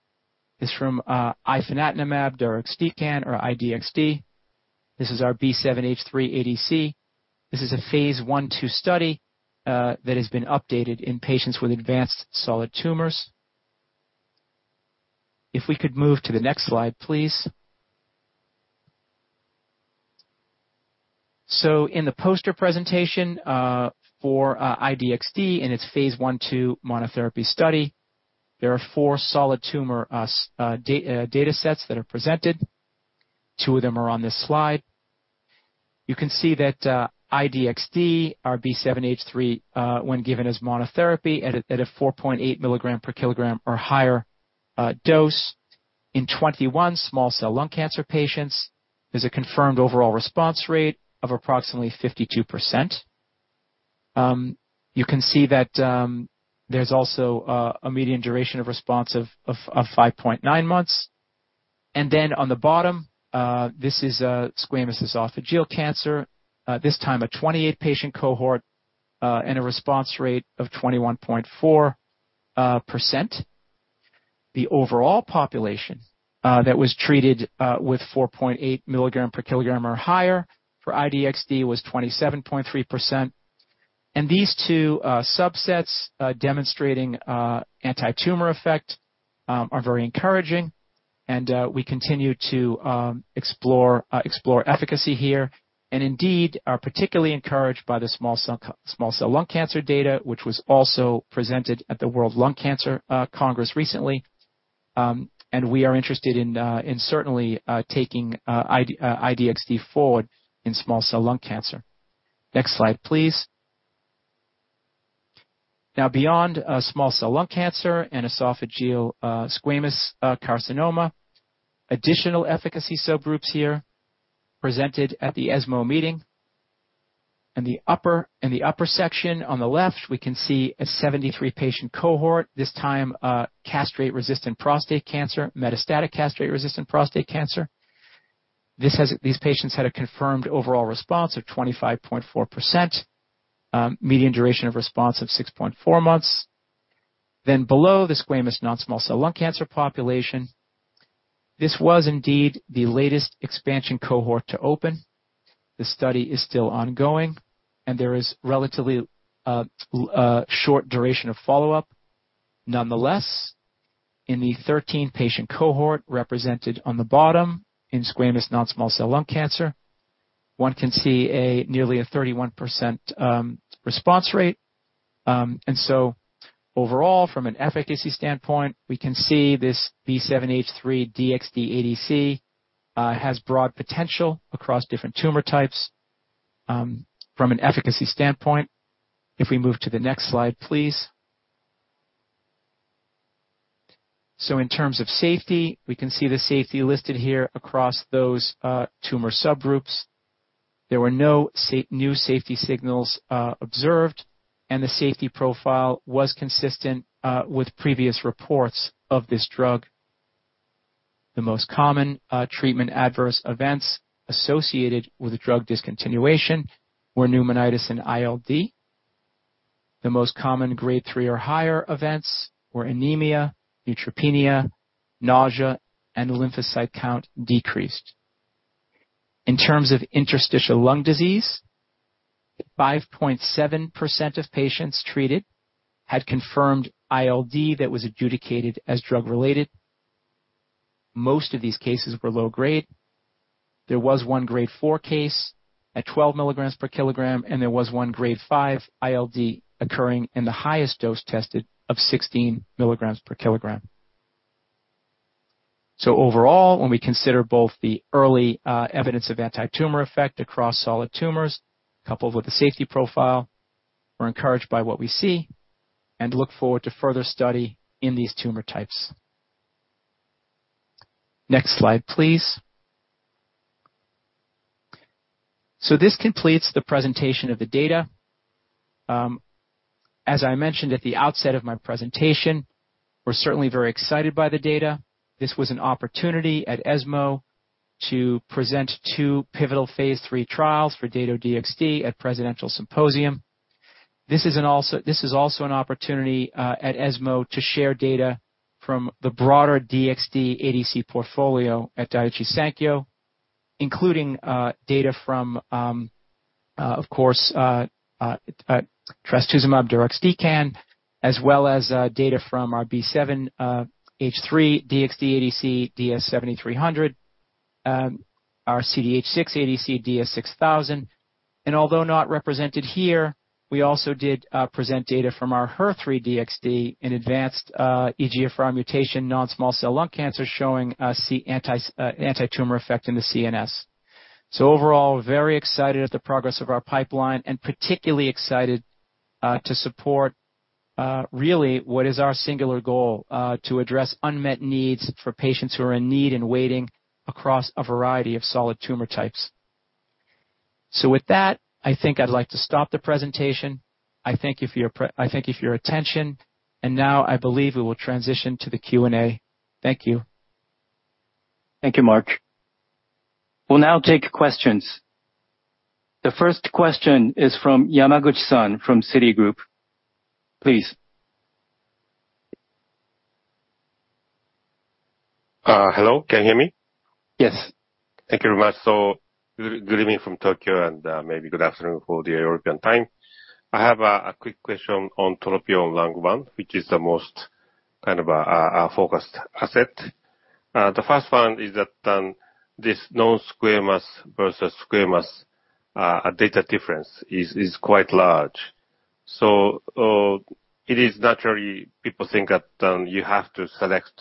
[SPEAKER 1] is from ifinatamab deruxtecan or I-DXd. This is our B7-H3 ADC. This is a phase 1/2 study that has been updated in patients with advanced solid tumors. If we could move to the next slide, please. So in the poster presentation for I-DXd and its phase 1/2 monotherapy study, there are four solid tumor data sets that are presented. Two of them are on this slide. You can see that I-DXd, our B7-H3, when given as monotherapy at a 4.8 mg/kg or higher dose in 21 small cell lung cancer patients, is a confirmed overall response rate of approximately 52%. You can see that there's also a median duration of response of 5.9 months. And then on the bottom, this is a squamous esophageal cancer, this time a 28-patient cohort, and a response rate of 21.4%. The overall population that was treated with 4.8 mg/kg or higher for I-DXd was 27.3%. And these two subsets demonstrating antitumor effect are very encouraging, and we continue to explore efficacy here and indeed are particularly encouraged by the small cell lung cancer data, which was also presented at the World Lung Cancer Congress recently. And we are interested in certainly taking I-DXd forward in small cell lung cancer. Next slide, please. Now, beyond small cell lung cancer and esophageal squamous carcinoma, additional efficacy subgroups here presented at the ESMO meeting. In the upper section on the left, we can see a 73-patient cohort, this time castrate-resistant prostate cancer, metastatic castrate-resistant prostate cancer. These patients had a confirmed overall response of 25.4%, median duration of response of 6.4 months. Then below, the squamous non-small cell lung cancer population. This was indeed the latest expansion cohort to open. The study is still ongoing, and there is relatively short duration of follow-up. Nonetheless, in the 13-patient cohort represented on the bottom in squamous non-small cell lung cancer, one can see nearly a 31% response rate. Overall, from an efficacy standpoint, we can see this B7-H3 DXd ADC has broad potential across different tumor types, from an efficacy standpoint. If we move to the next slide, please. In terms of safety, we can see the safety listed here across those tumor subgroups. There were no new safety signals observed, and the safety profile was consistent with previous reports of this drug. The most common treatment adverse events associated with drug discontinuation were pneumonitis and ILD. The most common grade 3 or higher events were anemia, neutropenia, nausea, and lymphocyte count decreased. In terms of interstitial lung disease, 5.7% of patients treated had confirmed ILD that was adjudicated as drug-related. Most of these cases were low grade. There was one grade four case at 12 milligrams per kilogram, and there was one grade five ILD occurring in the highest dose tested of 16 milligrams per kilogram. So overall, when we consider both the early evidence of antitumor effect across solid tumors, coupled with the safety profile, we're encouraged by what we see and look forward to further study in these tumor types. Next slide, please. So this completes the presentation of the data. As I mentioned at the outset of my presentation, we're certainly very excited by the data. This was an opportunity at ESMO to present two pivotal phase III trials for Dato-DXd at Presidential Symposium. This is also an opportunity at ESMO to share data from the broader DXd ADC portfolio at Daiichi Sankyo, including data from, of course, Trastuzumab deruxtecan, as well as data from our B7-H3 DXd ADC DS-7300, our CDH-6 ADC DS-6000, and although not represented here, we also did present data from our HER3-DXd in advanced EGFR mutation non-small cell lung cancer, showing antitumor effect in the CNS. So overall, very excited at the progress of our pipeline and particularly excited to support really what is our singular goal to address unmet needs for patients who are in need and waiting across a variety of solid tumor types. So with that, I think I'd like to stop the presentation. I thank you for your attention, and now I believe we will transition to the Q&A. Thank you.
[SPEAKER 2] Thank you, Mark. We'll now take questions. The first question is from Yamaguchi-san from Citigroup. Please.
[SPEAKER 3] Hello, can you hear me?
[SPEAKER 4] Yes.
[SPEAKER 3] Thank you very much. So good evening from Tokyo, and maybe good afternoon for the European time. I have a quick question on TROPION-Lung01, which is the most kind of focused asset. The first one is that this non-squamous versus squamous data difference is quite large. So it is naturally people think that you have to select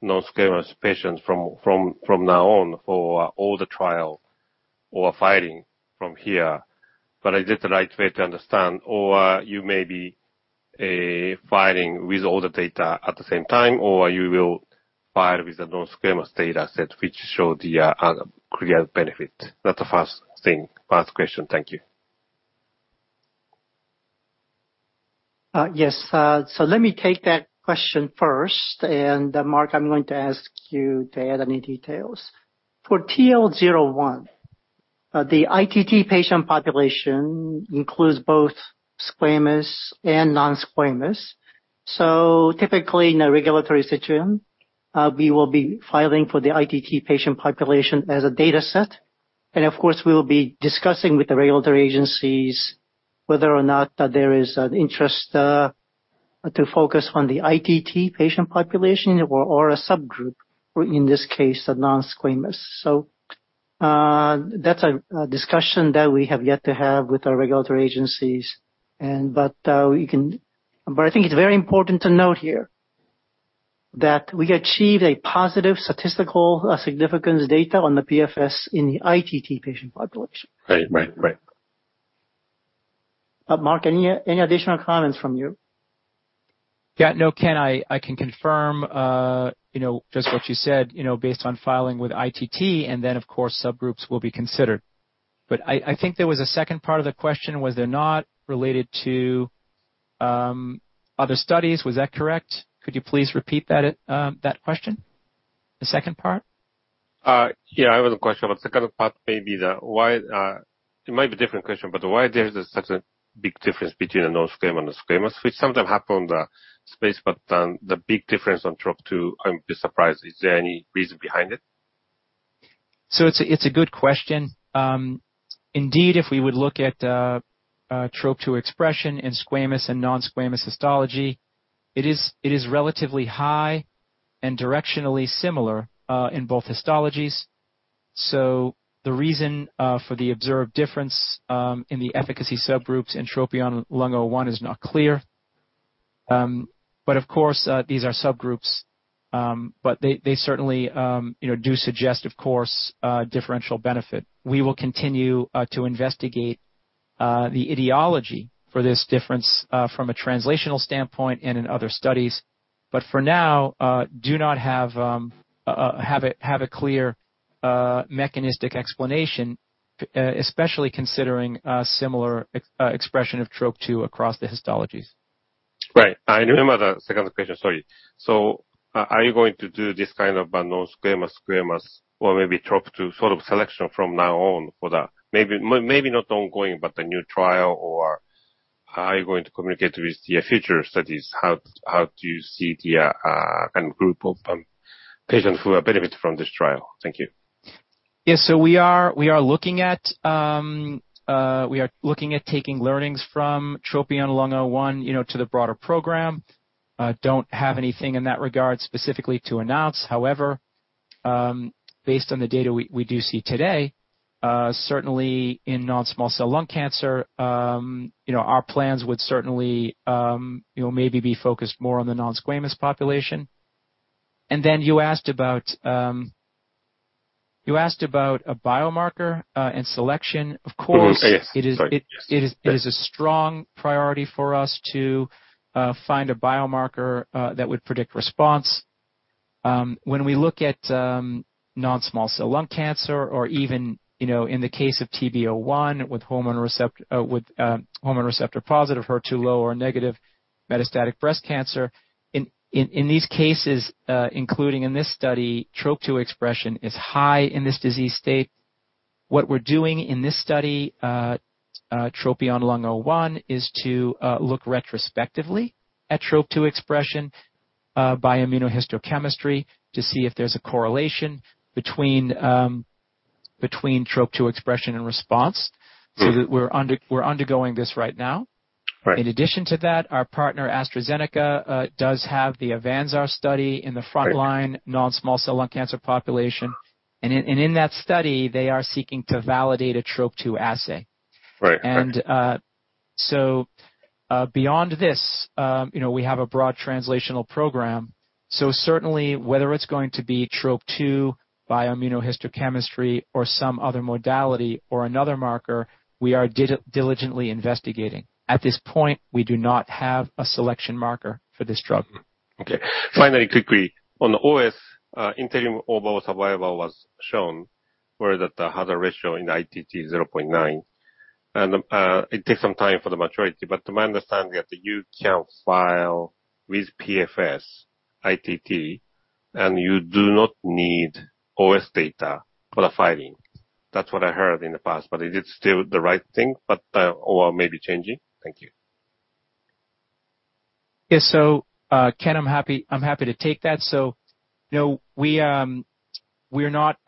[SPEAKER 3] non-squamous patients from now on for all the trial or filing from here, but is it the right way to understand, or you may be filing with all the data at the same time, or you will file with the non-squamous data set, which showed the clear benefit? That's the first thing. First question. Thank you.
[SPEAKER 4] Yes, so let me take that question first, and Mark, I'm going to ask you to add any details. For TROPION-Lung01, the ITT patient population includes both squamous and non-squamous. So typically, in a regulatory situation, we will be filing for the ITT patient population as a data set, and of course, we will be discussing with the regulatory agencies whether or not there is an interest to focus on the ITT patient population or, or a subgroup, or in this case, the non-squamous. So, that's a, a discussion that we have yet to have with our regulatory agencies. But I think it's very important to note here that we achieved a positive statistical significance data on the PFS in the ITT patient population.
[SPEAKER 3] Right. Right, Right.
[SPEAKER 4] Mark, any additional comments from you?
[SPEAKER 1] Yeah. No, Ken, I, I can confirm, you know, just what you said, you know, based on filing with ITT, and then, of course, subgroups will be considered. But I, I think there was a second part of the question, was there not, related to other studies? Was that correct? Could you please repeat that, that question? The second part.
[SPEAKER 3] Yeah, I have a question. The second part may be the why, it might be a different question, but why there is such a big difference between the non-squamous and squamous, which sometimes happen on the space, but, the big difference on Trop-2, I'm surprised. Is there any reason behind it?
[SPEAKER 1] So it's a good question. Indeed, if we would look at Trop-2 expression in squamous and non-squamous histology, it is relatively high and directionally similar in both histologies. So the reason for the observed difference in the efficacy subgroups in TROPION-Lung01 is not clear. But of course, these are subgroups, but they certainly, you know, do suggest differential benefit. We will continue to investigate the etiology for this difference from a translational standpoint and in other studies, but for now, do not have a clear mechanistic explanation, especially considering a similar expression of Trop-2 across the histologies....
[SPEAKER 3] Right. I remember the second question, sorry. So, are you going to do this kind of non-squamous, squamous, or maybe Trop-2 sort of selection from now on for the maybe, maybe not ongoing, but the new trial or how are you going to communicate with the, future studies? How do you see the kind of group of patients who will benefit from this trial? Thank you.
[SPEAKER 1] Yes, so we are looking at taking learnings from TROPION-Lung01, you know, to the broader program. Don't have anything in that regard specifically to announce. However, based on the data we do see today, certainly in non-small cell lung cancer, you know, our plans would certainly, you know, maybe be focused more on the non-squamous population. And then you asked about a biomarker and selection. Of course-
[SPEAKER 3] Mm-hmm. Yes, right.
[SPEAKER 1] It is a strong priority for us to find a biomarker that would predict response. When we look at non-small cell lung cancer or even, you know, in the case of TROPION-Breast01, with hormone receptor-positive, HER2-low or negative metastatic breast cancer, in these cases, including in this study, Trop-2 expression is high in this disease state. What we're doing in this study, TROPION-Lung01, is to look retrospectively at Trop-2 expression by immunohistochemistry to see if there's a correlation between Trop-2 expression and response.
[SPEAKER 3] Mm.
[SPEAKER 1] So we're undergoing this right now.
[SPEAKER 3] Right.
[SPEAKER 1] In addition to that, our partner, AstraZeneca, does have the AVANZAR study in the-
[SPEAKER 3] Right...
[SPEAKER 1] frontline non-small cell lung cancer population. In that study, they are seeking to validate a Trop-2 assay.
[SPEAKER 3] Right. Right.
[SPEAKER 1] Beyond this, you know, we have a broad translational program. So certainly, whether it's going to be Trop-2 by immunohistochemistry or some other modality or another marker, we are diligently investigating. At this point, we do not have a selection marker for this drug.
[SPEAKER 3] Okay. Finally, quickly, on the OS, interim overall survival was shown, where that the hazard ratio in ITT is 0.9. And, it takes some time for the maturity, but to my understanding, that you can't file with PFS ITT, and you do not need OS data for the filing. That's what I heard in the past, but is it still the right thing? But, Or maybe changing? Thank you.
[SPEAKER 1] Yes. So, Ken, I'm happy, I'm happy to take that. So, you know, we, we're not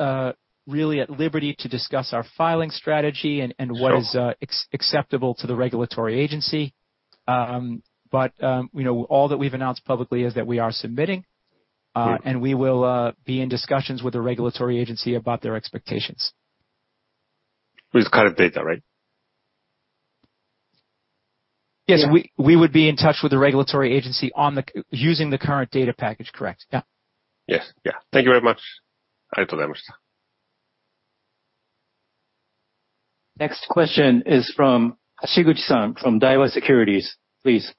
[SPEAKER 1] really at liberty to discuss our filing strategy-
[SPEAKER 3] Sure...
[SPEAKER 1] and what is acceptable to the regulatory agency. But, you know, all that we've announced publicly is that we are submitting.
[SPEAKER 3] Yeah.
[SPEAKER 1] We will be in discussions with the regulatory agency about their expectations.
[SPEAKER 3] With current data, right?
[SPEAKER 1] Yes.
[SPEAKER 4] Yeah.
[SPEAKER 1] We would be in touch with the regulatory agency on using the current data package, correct? Yeah.
[SPEAKER 3] Yes. Yeah. Thank you very much.
[SPEAKER 2] Next question is from Hashiguchi-san from Daiwa Securities. Please.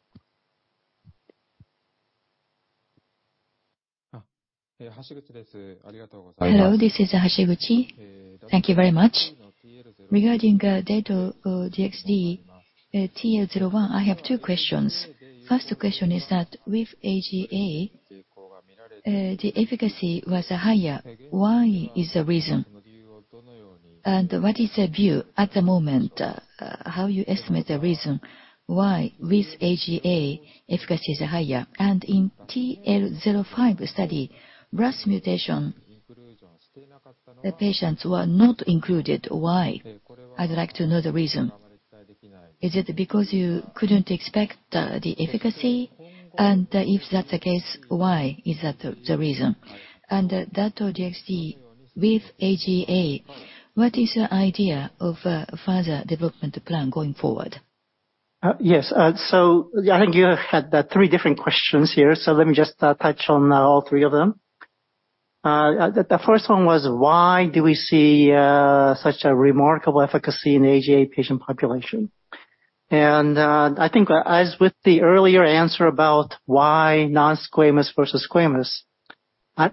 [SPEAKER 5] Hashiguchi. Hello, this is Hashiguchi. Thank you very much. Regarding Dato-DXd TL-01, I have two questions. First question is that with AGA the efficacy was higher. Why is the reason? And what is the view at the moment how you estimate the reason why with AGA efficacy is higher? And in TL-05 study, BRAF mutation the patients were not included. Why? I'd like to know the reason. Is it because you couldn't expect the efficacy? And if that's the case, why is that the reason? And that or DxD with AGA, what is the idea of further development plan going forward?
[SPEAKER 4] Yes. I think you had three different questions here, so let me just touch on all three of them. The first one was, why do we see such a remarkable efficacy in AGA patient population? I think as with the earlier answer about why non-squamous versus squamous,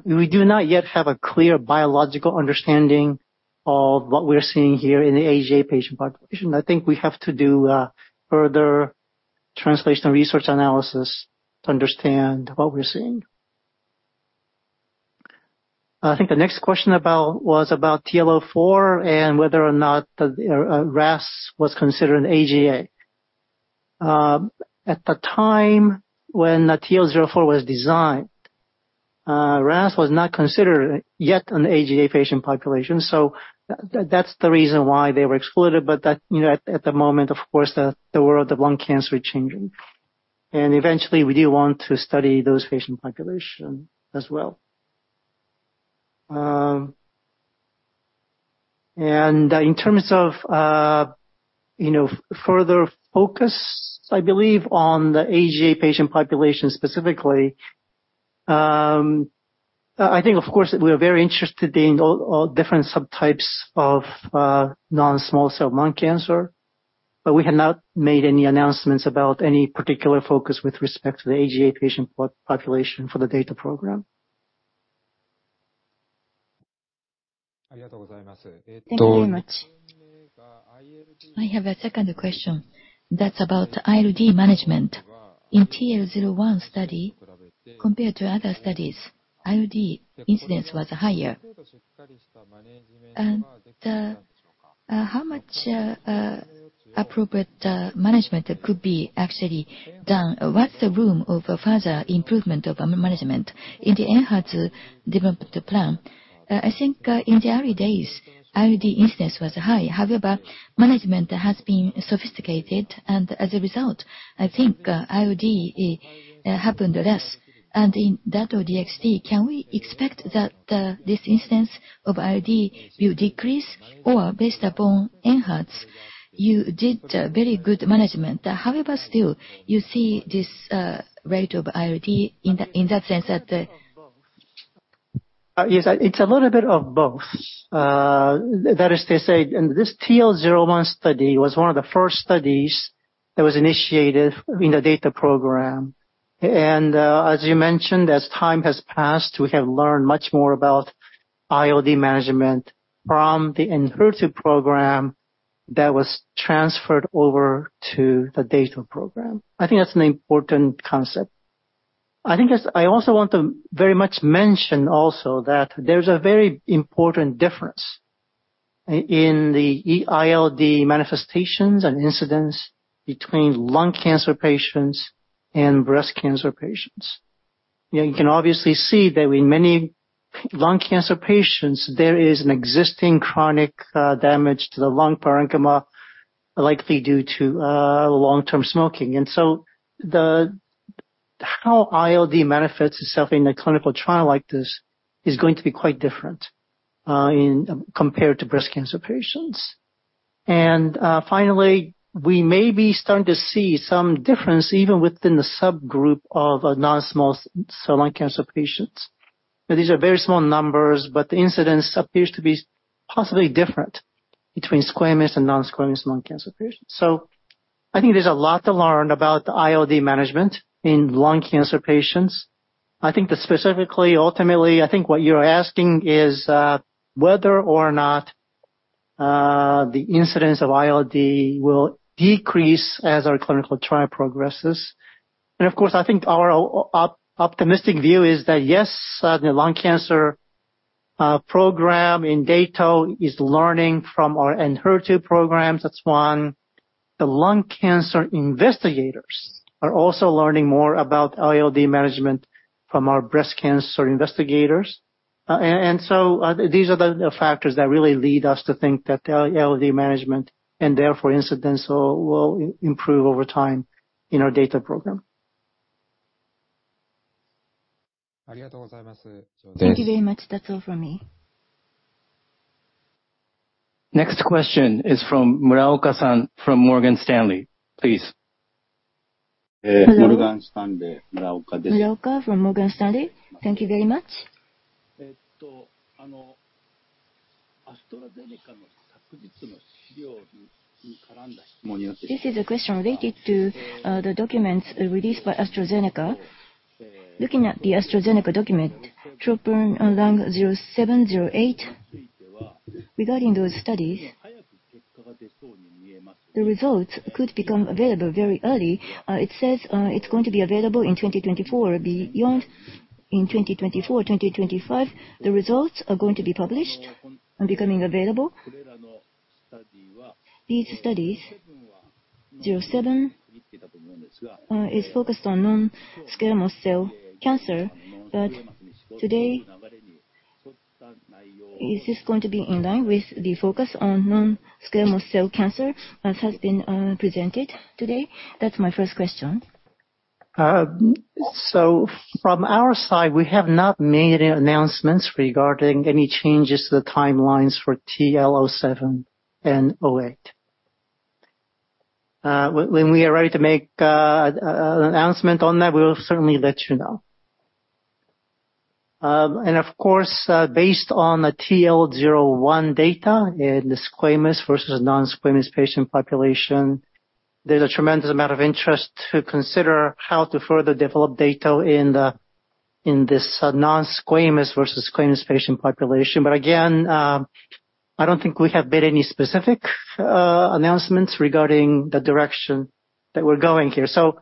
[SPEAKER 4] we do not yet have a clear biological understanding of what we're seeing here in the AGA patient population. I think we have to do further translational research analysis to understand what we're seeing. I think the next question was about TL04 and whether or not the RAS was considered an AGA. At the time when the TL04 was designed, RAS was not considered yet an AGA patient population, so that's the reason why they were excluded. But that, you know, at the moment, of course, the world of lung cancer is changing, and eventually, we do want to study those patient population as well. And in terms of you know, further focus, I believe, on the AGA patient population specifically, I think, of course, we are very interested in all different subtypes of non-small cell lung cancer, but we have not made any announcements about any particular focus with respect to the AGA patient population for the Dato program.
[SPEAKER 5] ...Thank you very much. I have a second question that's about ILD management. In TL01 study, compared to other studies, ILD incidence was higher. And how much appropriate management could actually be done? What's the room for further improvement of management in the Enhertu development plan? I think in the early days, ILD incidence was high. However, management has been sophisticated, and as a result, I think ILD happened less. And in Dato-DXd, can we expect that this incidence of ILD will decrease? Or based upon Enhertu, you did very good management. However, still you see this rate of ILD in that, in that sense that,
[SPEAKER 4] Yes, it's a little bit of both. That is to say, in this TL01 study was one of the first studies that was initiated in the Dato program. And, as you mentioned, as time has passed, we have learned much more about ILD management from the Enhertu program that was transferred over to the Dato program. I think that's an important concept. I think I also want to very much mention also that there's a very important difference in the ILD manifestations and incidence between lung cancer patients and breast cancer patients. You can obviously see that in many lung cancer patients, there is an existing chronic damage to the lung parenchyma, likely due to long-term smoking. And so the... How ILD manifests itself in a clinical trial like this is going to be quite different in compared to breast cancer patients. And, finally, we may be starting to see some difference even within the subgroup of, non-small cell lung cancer patients. These are very small numbers, but the incidence appears to be possibly different between squamous and non-squamous lung cancer patients. So I think there's a lot to learn about ILD management in lung cancer patients. I think that specifically, ultimately, I think what you're asking is, whether or not, the incidence of ILD will decrease as our clinical trial progresses. And of course, I think our optimistic view is that, yes, the lung cancer, program in Dato is learning from our Enhertu programs, that's one. The lung cancer investigators are also learning more about ILD management from our breast cancer investigators. So, these are the factors that really lead us to think that ILD management, and therefore, incidence, will improve over time in our Dato program.
[SPEAKER 5] Thank you very much. That's all for me.
[SPEAKER 2] Next question is from Muraoka-san from Morgan Stanley. Please.
[SPEAKER 6] Hello. Muraoka from Morgan Stanley. Thank you very much. This is a question related to, the documents released by AstraZeneca. Looking at the AstraZeneca document, TROPION-Lung 07, 08, regarding those studies, the results could become available very early. It says, it's going to be available in 2024. Beyond in 2024, 2025, the results are going to be published and becoming available. These studies, 07, is focused on non-squamous cell cancer, but today, is this going to be in line with the focus on non-squamous cell cancer as has been, presented today? That's my first question.
[SPEAKER 4] So from our side, we have not made any announcements regarding any changes to the timelines for TL07 and 08. When we are ready to make an announcement on that, we'll certainly let you know. Of course, based on the TL01 data in the squamous versus non-squamous patient population, there's a tremendous amount of interest to consider how to further develop data in the, in this non-squamous versus squamous patient population. But again, I don't think we have made any specific announcements regarding the direction that we're going here. So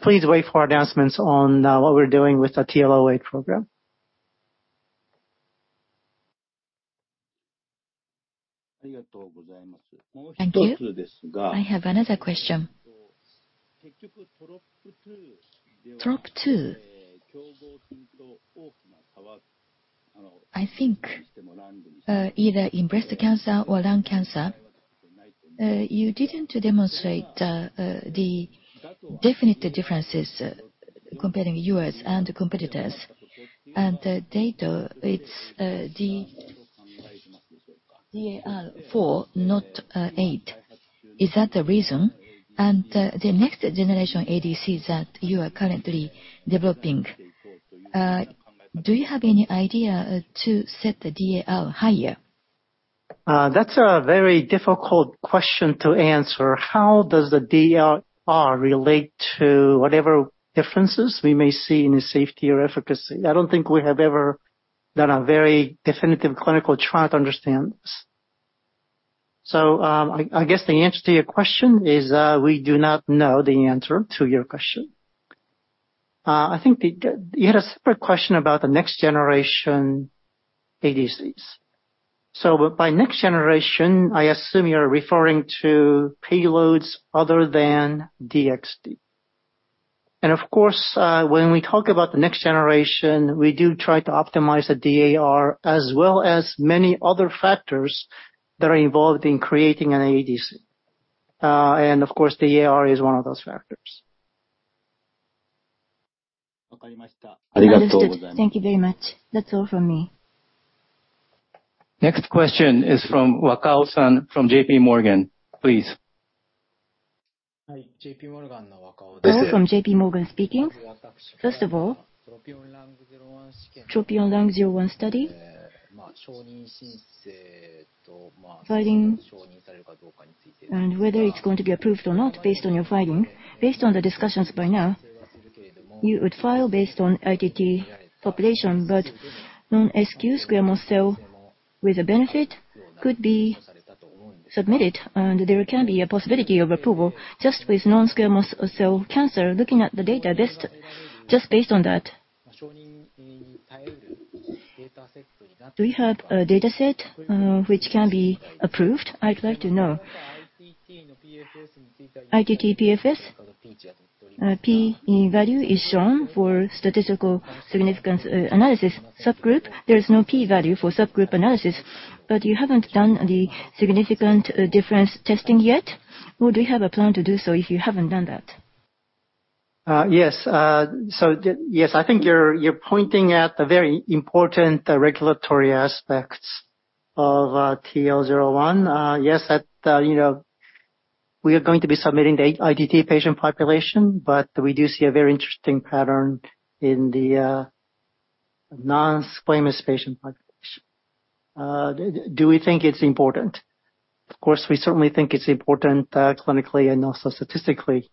[SPEAKER 4] please wait for announcements on what we're doing with the TL08 program.
[SPEAKER 5] Thank you. I have another question. Trop-2, I think, either in breast cancer or lung cancer, you didn't demonstrate the definite differences comparing us and the competitors. And the Dato, it's the DAR 4, not 8. Is that the reason? And the next generation ADCs that you are currently developing, do you have any idea to set the DAR higher?...
[SPEAKER 4] That's a very difficult question to answer. How does the DAR relate to whatever differences we may see in the safety or efficacy? I don't think we have ever done a very definitive clinical trial to understand this. So, I guess the answer to your question is, we do not know the answer to your question. I think you had a separate question about the next generation ADCs. So by next generation, I assume you're referring to payloads other than DXd. And of course, when we talk about the next generation, we do try to optimize the DAR as well as many other factors that are involved in creating an ADC. And of course, the DAR is one of those factors.
[SPEAKER 5] Understood. Thank you very much. That's all from me.
[SPEAKER 2] Next question is from Wakao-san from J.P. Morgan, please.
[SPEAKER 7] Hi, J.P. Morgan, Wakao from J.P. Morgan speaking. First of all, TROPION-Lung01 study. Filing and whether it's going to be approved or not, based on your filing. Based on the discussions by now, you would file based on ITT population, but non-squamous cell with a benefit could be submitted, and there can be a possibility of approval. Just with non-squamous cell cancer, looking at the data, just, just based on that. Do you have a data set, which can be approved? I'd like to know. ITT PFS, P value is shown for statistical significance, analysis. Subgroup, there is no P value for subgroup analysis, but you haven't done the significant, difference testing yet. Or do you have a plan to do so if you haven't done that?
[SPEAKER 4] Yes. Yes, I think you're pointing out the very important regulatory aspects of TROPION-Lung01. You know, we are going to be submitting the ITT patient population, but we do see a very interesting pattern in the non-squamous patient population. Do we think it's important? Of course, we certainly think it's important, clinically and also statistically,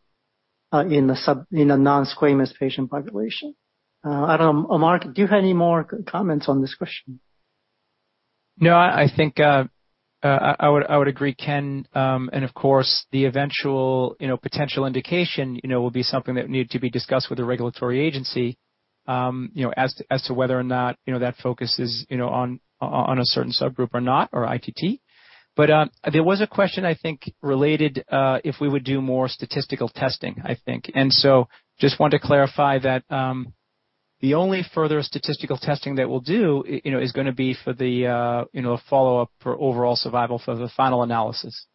[SPEAKER 4] in the non-squamous patient population. I don't... Mark, do you have any more comments on this question?
[SPEAKER 1] No, I think, I would agree, Ken. And of course, the eventual, you know, potential indication, you know, will be something that need to be discussed with the regulatory agency, you know, as to, as to whether or not, you know, that focus is, you know, on, on a certain subgroup or not, or ITT. But, there was a question, I think, related, if we would do more statistical testing, I think. And so just want to clarify that, the only further statistical testing that we'll do, you know, is gonna be for the, you know, follow-up for overall survival for the final analysis.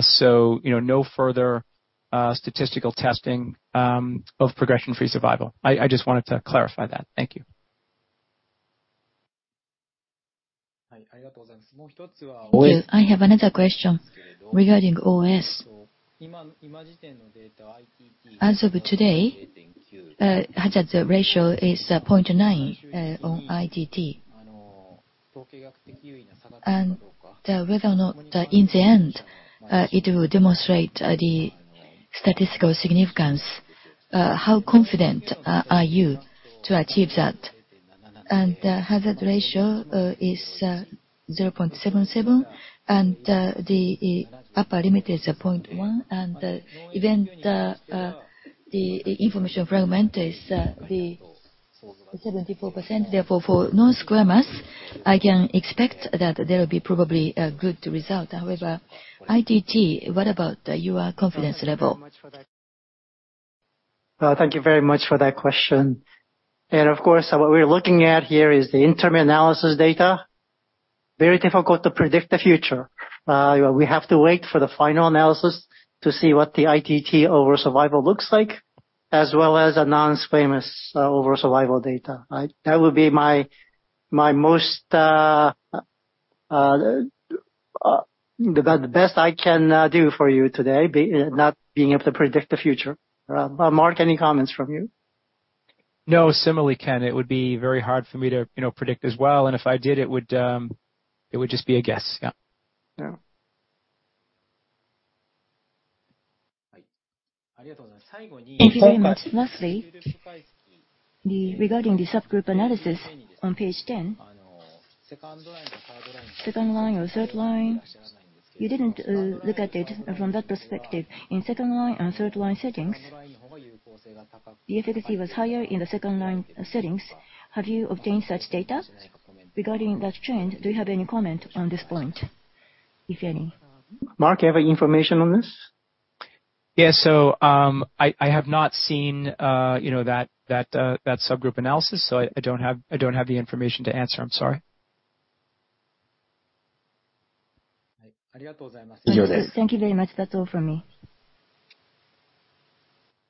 [SPEAKER 1] So, you know, no further, statistical testing, of progression-free survival. I just wanted to clarify that. Thank you.
[SPEAKER 7] Well, I have another question regarding OS. As of today, hazard ratio is 0.9 on ITT. And whether or not in the end it will demonstrate the statistical significance, how confident are you to achieve that? And the hazard ratio is 0.77, and the upper limit is 0.1. And even the information fraction is the 74%. Therefore, for non-squamous, I can expect that there will be probably a good result. However, ITT, what about your confidence level?
[SPEAKER 4] Well, thank you very much for that question. Of course, what we're looking at here is the interim analysis data. Very difficult to predict the future. We have to wait for the final analysis to see what the ITT overall survival looks like, as well as a non-squamous overall survival data. That would be my most, the best I can do for you today, not being able to predict the future. Mark, any comments from you?
[SPEAKER 1] No, similarly, Ken, it would be very hard for me to, you know, predict as well, and if I did, it would, it would just be a guess. Yeah.
[SPEAKER 4] Yeah.
[SPEAKER 7] Thank you very much. Lastly, regarding the subgroup analysis on page 10. Second line or third line, you didn't look at it from that perspective. In second line and third line settings, the efficacy was higher in the second line settings. Have you obtained such data? Regarding that trend, do you have any comment on this point, if any?
[SPEAKER 4] Mark, you have any information on this?
[SPEAKER 1] Yeah. So, I have not seen, you know, that subgroup analysis, so I don't have the information to answer. I'm sorry.
[SPEAKER 7] Thank you very much. That's all from me.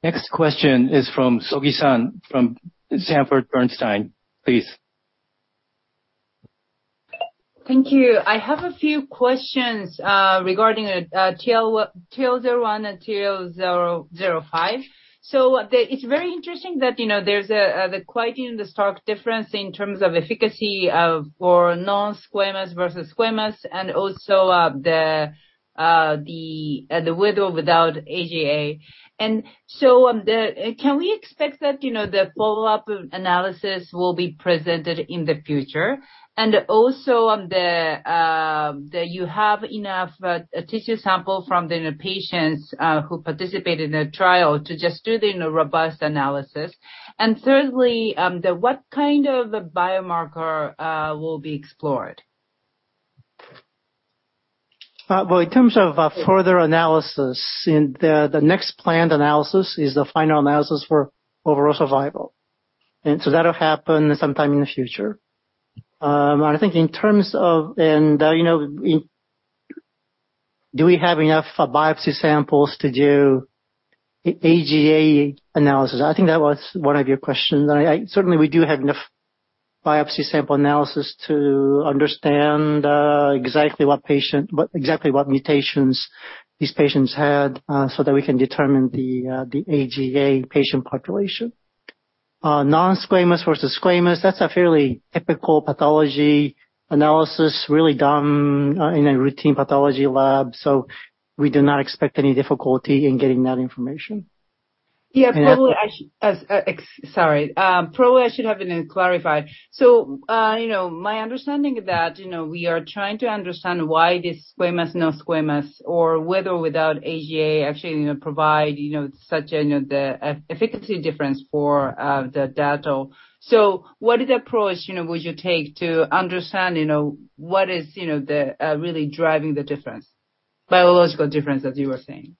[SPEAKER 2] Next question is from Sogi-san from Sanford C. Bernstein. Please.
[SPEAKER 8] Thank you. I have a few questions regarding TL01 and TL005. It's very interesting that, you know, there's quite a stark difference in terms of efficacy for non-squamous versus squamous, and also the with or without AGA. Can we expect that, you know, the follow-up analysis will be presented in the future? Also, you have enough tissue sample from the patients who participated in the trial to just do the, you know, robust analysis. Thirdly, what kind of biomarker will be explored?
[SPEAKER 4] Well, in terms of further analysis, in the, the next planned analysis is the final analysis for overall survival. And so that'll happen sometime in the future. I think in terms of, and, you know, in-- do we have enough biopsy samples to do a- AGA analysis? I think that was one of your questions. I, I-- certainly, we do have enough biopsy sample analysis to understand, exactly what patient, what exactly what mutations these patients had, so that we can determine the, the AGA patient population. Non-squamous versus squamous, that's a fairly typical pathology analysis, really done, in a routine pathology lab. So we do not expect any difficulty in getting that information.
[SPEAKER 8] Yeah.
[SPEAKER 4] And I-
[SPEAKER 8] Probably, Sorry. Probably I should have been clarified. So, you know, my understanding is that, you know, we are trying to understand why this squamous, non-squamous, or with or without AGA actually, you know, provide, you know, such a, you know, the, efficacy difference for, the data. So what is the approach, you know, would you take to understand, you know, what is, you know, the, really driving the difference, biological difference, as you were saying?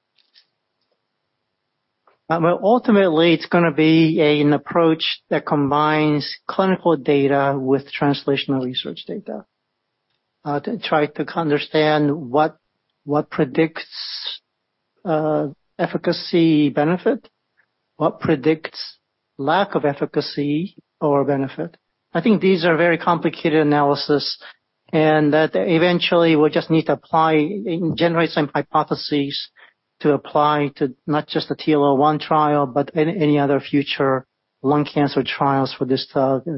[SPEAKER 4] Well, ultimately, it's gonna be an approach that combines clinical data with translational research data to try to understand what predicts efficacy benefit, what predicts lack of efficacy or benefit. I think these are very complicated analysis, and that eventually we'll just need to apply and generate some hypotheses to apply to not just the TROPION-Lung01 trial, but any other future lung cancer trials for this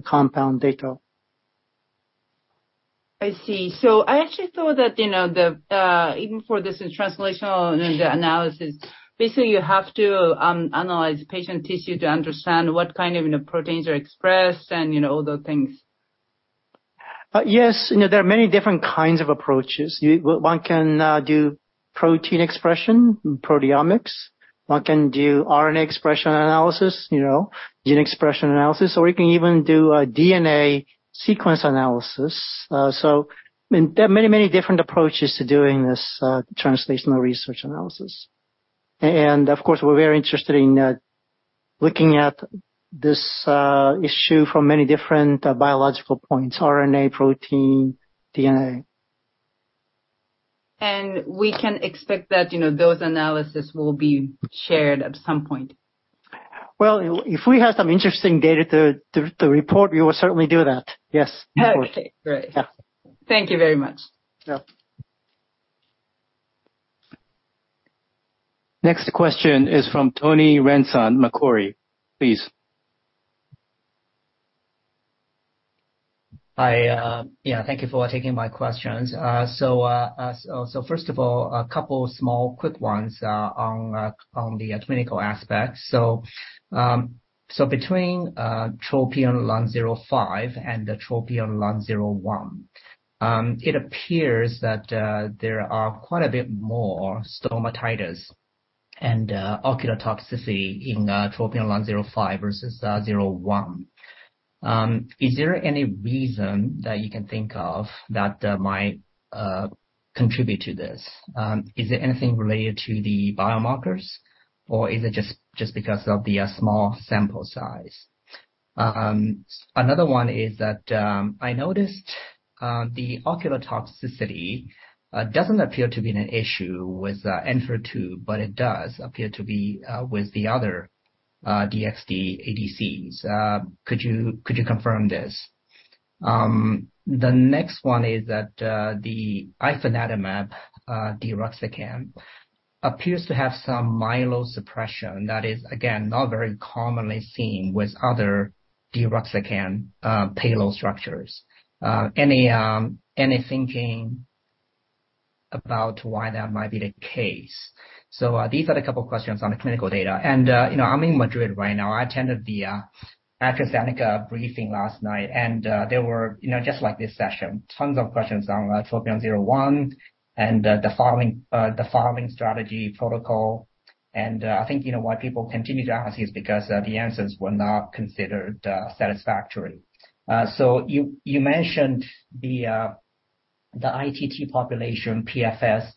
[SPEAKER 4] compound Dato.
[SPEAKER 8] I see. So I actually thought that, you know, the even for this translational and the analysis, basically, you have to analyze patient tissue to understand what kind of, you know, proteins are expressed and, you know, all those things.
[SPEAKER 4] Yes, you know, there are many different kinds of approaches. One can do protein expression, proteomics. One can do RNA expression analysis, you know, gene expression analysis, or you can even do a DNA sequence analysis. So, and there are many, many different approaches to doing this, translational research analysis. And of course, we're very interested in looking at this issue from many different biological points, RNA, protein, DNA.
[SPEAKER 8] We can expect that, you know, those analysis will be shared at some point?
[SPEAKER 4] Well, if we have some interesting data to report, we will certainly do that. Yes, of course.
[SPEAKER 8] Okay, great.
[SPEAKER 4] Yeah.
[SPEAKER 8] Thank you very much.
[SPEAKER 4] Yeah.
[SPEAKER 2] Next question is from Tony Ren, Macquarie. Please.
[SPEAKER 9] Yeah, thank you for taking my questions. So first of all, a couple of small quick ones on the clinical aspect. So between TROPION-Lung05 and the TROPION-Lung01, it appears that there are quite a bit more stomatitis and ocular toxicity in TROPION-Lung05 versus 01. Is there any reason that you can think of that might contribute to this? Is it anything related to the biomarkers, or is it just because of the small sample size? Another one is that I noticed the ocular toxicity doesn't appear to be an issue with Enhertu, but it does appear to be with the other DXd ADCs. Could you confirm this? The next one is that the Ifinatamab deruxtecan appears to have some myelosuppression. That is, again, not very commonly seen with other deruxtecan payload structures. Any thinking about why that might be the case? So these are the couple of questions on the clinical data. And you know, I'm in Madrid right now. I attended the AstraZeneca briefing last night, and there were, you know, just like this session, tons of questions on TROPION-01 and the following strategy protocol. And I think, you know, why people continue to ask is because the answers were not considered satisfactory. So you mentioned the ITT population PFS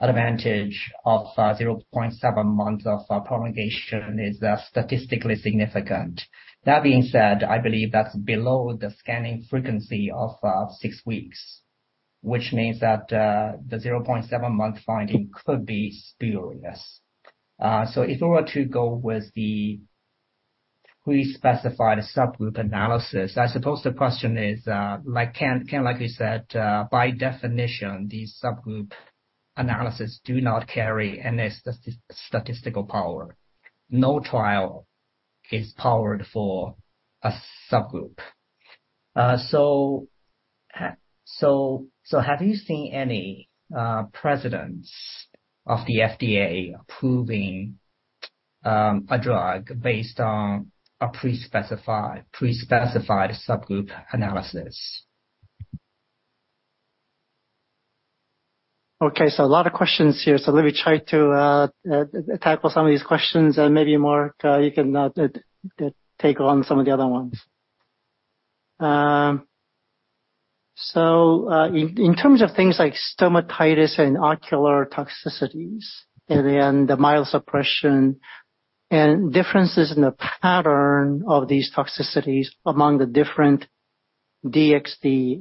[SPEAKER 9] advantage of 0.7 months of prolongation is statistically significant. That being said, I believe that's below the scanning frequency of six weeks, which means that the 0.7-month finding could be spurious. So if we were to go with the subgroup analysis. I suppose the question is, like, Ken, Ken, like you said, by definition, these subgroup analysis do not carry any statistical power. No trial is powered for a subgroup. So have you seen any precedent of the FDA approving a drug based on a pre-specified subgroup analysis?
[SPEAKER 4] Okay, so a lot of questions here. So let me try to tackle some of these questions, and maybe, Mark, you can take on some of the other ones. So, in terms of things like stomatitis and ocular toxicities, and then the myelosuppression, and differences in the pattern of these toxicities among the different DXd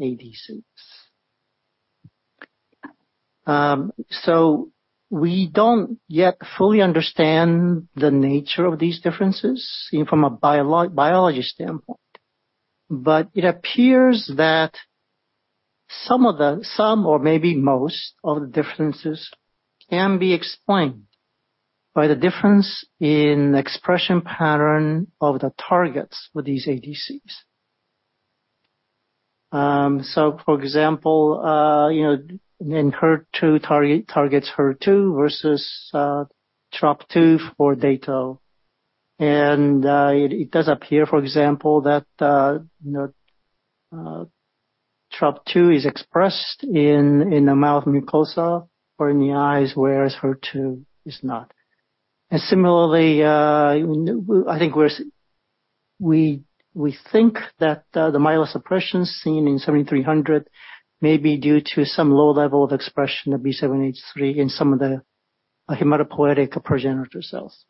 [SPEAKER 4] ADCs. So we don't yet fully understand the nature of these differences, from a biology standpoint. But it appears that some of the—some or maybe most of the differences can be explained by the difference in expression pattern of the targets with these ADCs. So for example, you know, in HER2, targets HER2 versus Trop-2 for Dato. It does appear, for example, that you know, Trop-2 is expressed in the mouth mucosa or in the eyes, whereas HER2 is not. And similarly, I think we think that the myelosuppression seen in 7300 may be due to some low level of expression of B7-H3 in some of the hematopoietic progenitor cells.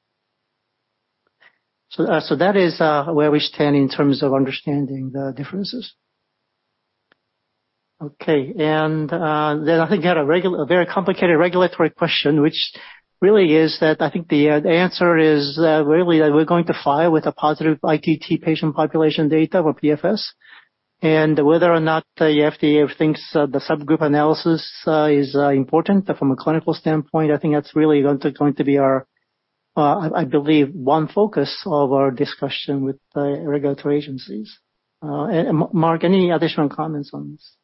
[SPEAKER 4] So, that is where we stand in terms of understanding the differences. Okay, and then I think you had a very complicated regulatory question, which really is that I think the answer is really that we're going to file with a positive ITT patient population data or PFS. Whether or not the FDA thinks the subgroup analysis is important from a clinical standpoint, I think that's really going to be our, I believe, one focus of our discussion with the regulatory agencies. And Mark, any additional comments on this?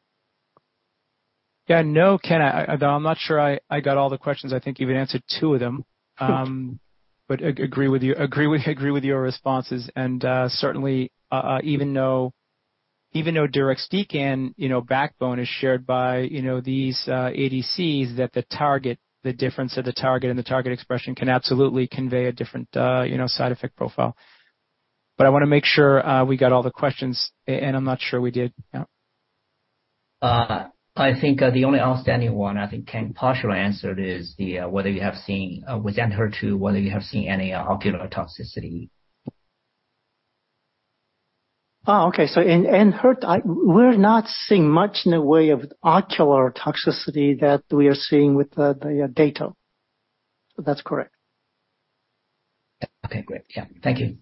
[SPEAKER 1] Yeah. No, Ken, I'm not sure I got all the questions. I think you've answered two of them. But agree with you. Agree with your responses, and certainly, even though deruxtecan, you know, backbone is shared by, you know, these ADCs, that the target, the difference of the target and the target expression can absolutely convey a different, you know, side effect profile. But I wanna make sure we got all the questions, and I'm not sure we did. Yeah.
[SPEAKER 9] I think the only outstanding one, I think, Ken partially answered, is whether you have seen within HER2 whether you have seen any ocular toxicity.
[SPEAKER 4] Oh, okay. So in HER2, we're not seeing much in the way of ocular toxicity that we are seeing with the dato. That's correct.
[SPEAKER 9] Okay, great. Yeah. Thank you.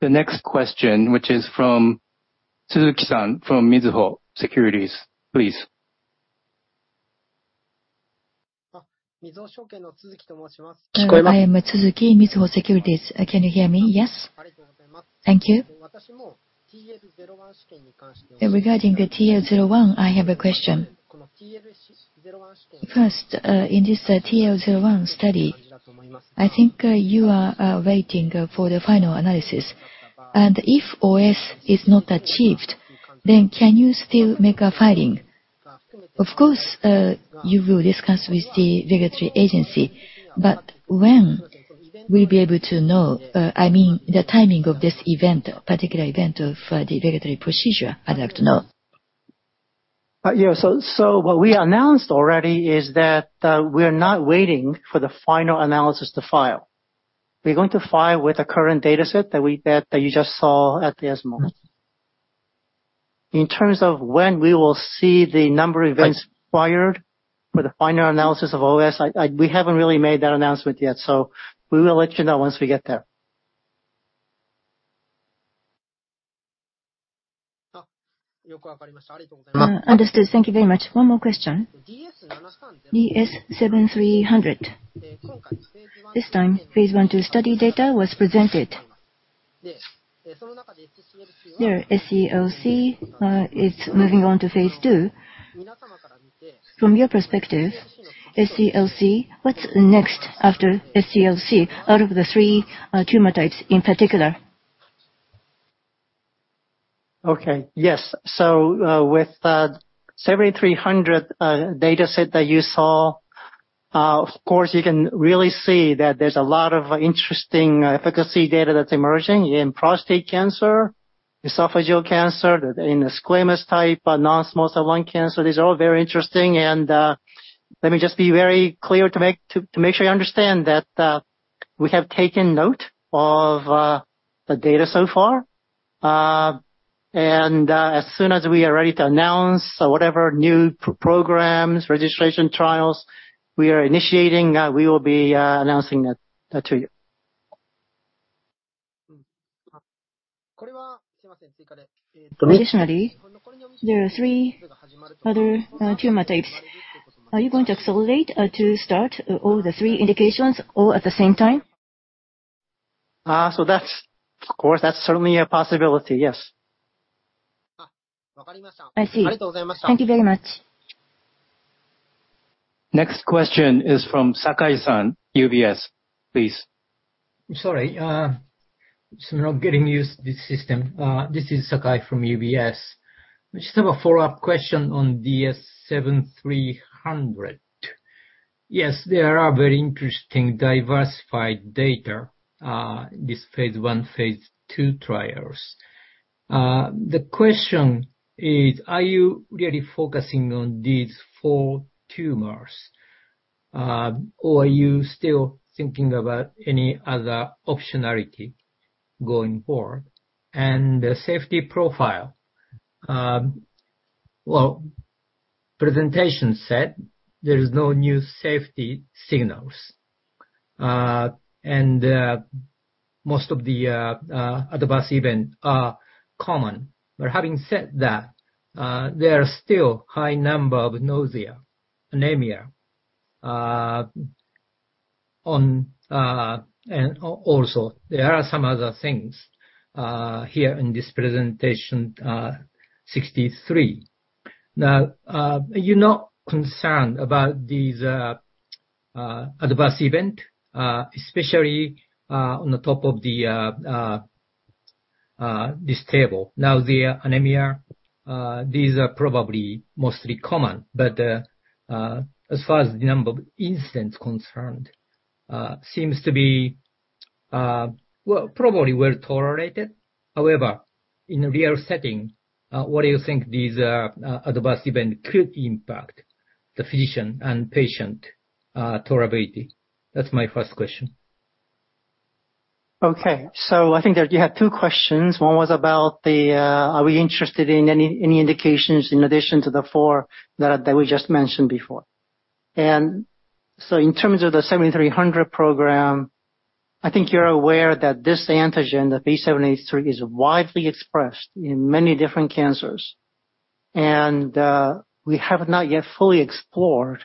[SPEAKER 2] The next question, which is from Tsuzuki-san from Mizuho Securities, please.
[SPEAKER 10] I am Tsuzuki, Mizuho Securities. Can you hear me? Yes. Thank you. Regarding the TL01, I have a question. First, in this TL01 study, I think, you are waiting for the final analysis. And if OS is not achieved, then can you still make a filing? Of course, you will discuss with the regulatory agency, but when will you be able to know, I mean, the timing of this event, particular event of the regulatory procedure, I'd like to know.
[SPEAKER 4] Yeah. So what we announced already is that we're not waiting for the final analysis to file. We're going to file with the current dataset that you just saw at the ESMO. In terms of when we will see the number events required for the final analysis of OS, we haven't really made that announcement yet, so we will let you know once we get there.
[SPEAKER 10] Understood. Thank you very much. One more question. DS-7300. This time, phase 1/2 study data was presented. In SCLC, it's moving on to phase II. From your perspective, SCLC, what's next after SCLC out of the three tumor types in particular?
[SPEAKER 4] Okay. Yes. So, with the 7300 dataset that you saw, of course, you can really see that there's a lot of interesting efficacy data that's emerging in prostate cancer, esophageal cancer, in the squamous type, non-small cell lung cancer. These are all very interesting, and let me just be very clear to make sure you understand that we have taken note of the data so far. And as soon as we are ready to announce whatever new programs, registration trials we are initiating, we will be announcing that to you.
[SPEAKER 10] Additionally, there are three other tumor types. Are you going to accelerate to start all the three indications all at the same time?
[SPEAKER 4] So that's, of course, that's certainly a possibility. Yes.
[SPEAKER 10] Ah, I see. Thank you very much.
[SPEAKER 2] Next question is from Sakai-san, UBS, please.
[SPEAKER 11] Sorry, still not getting used to this system. This is Sakai from UBS. I just have a follow-up question on DS-7300. Yes, there are very interesting diversified data, this phase I, phase II trials. The question is, are you really focusing on these four tumors? Or are you still thinking about any other optionality going forward? And the safety profile, well, presentation said there is no new safety signals. And, most of the adverse event are common. But having said that, there are still high number of nausea, anemia, on... And also there are some other things, here in this presentation, 63. Now, are you not concerned about these adverse event, especially, on the top of the, this table? Nausea, anemia, these are probably mostly common, but, as far as the number of incidents concerned, seems to be, well, probably well tolerated. However, in a real setting, what do you think these, adverse event could impact the physician and patient, tolerability? That's my first question.
[SPEAKER 4] Okay. So I think that you had two questions. One was about the, are we interested in any, any indications in addition to the four that, that we just mentioned before? And so in terms of the 7,300 program, I think you're aware that this antigen, the B7-H3, is widely expressed in many different cancers. And, we have not yet fully explored the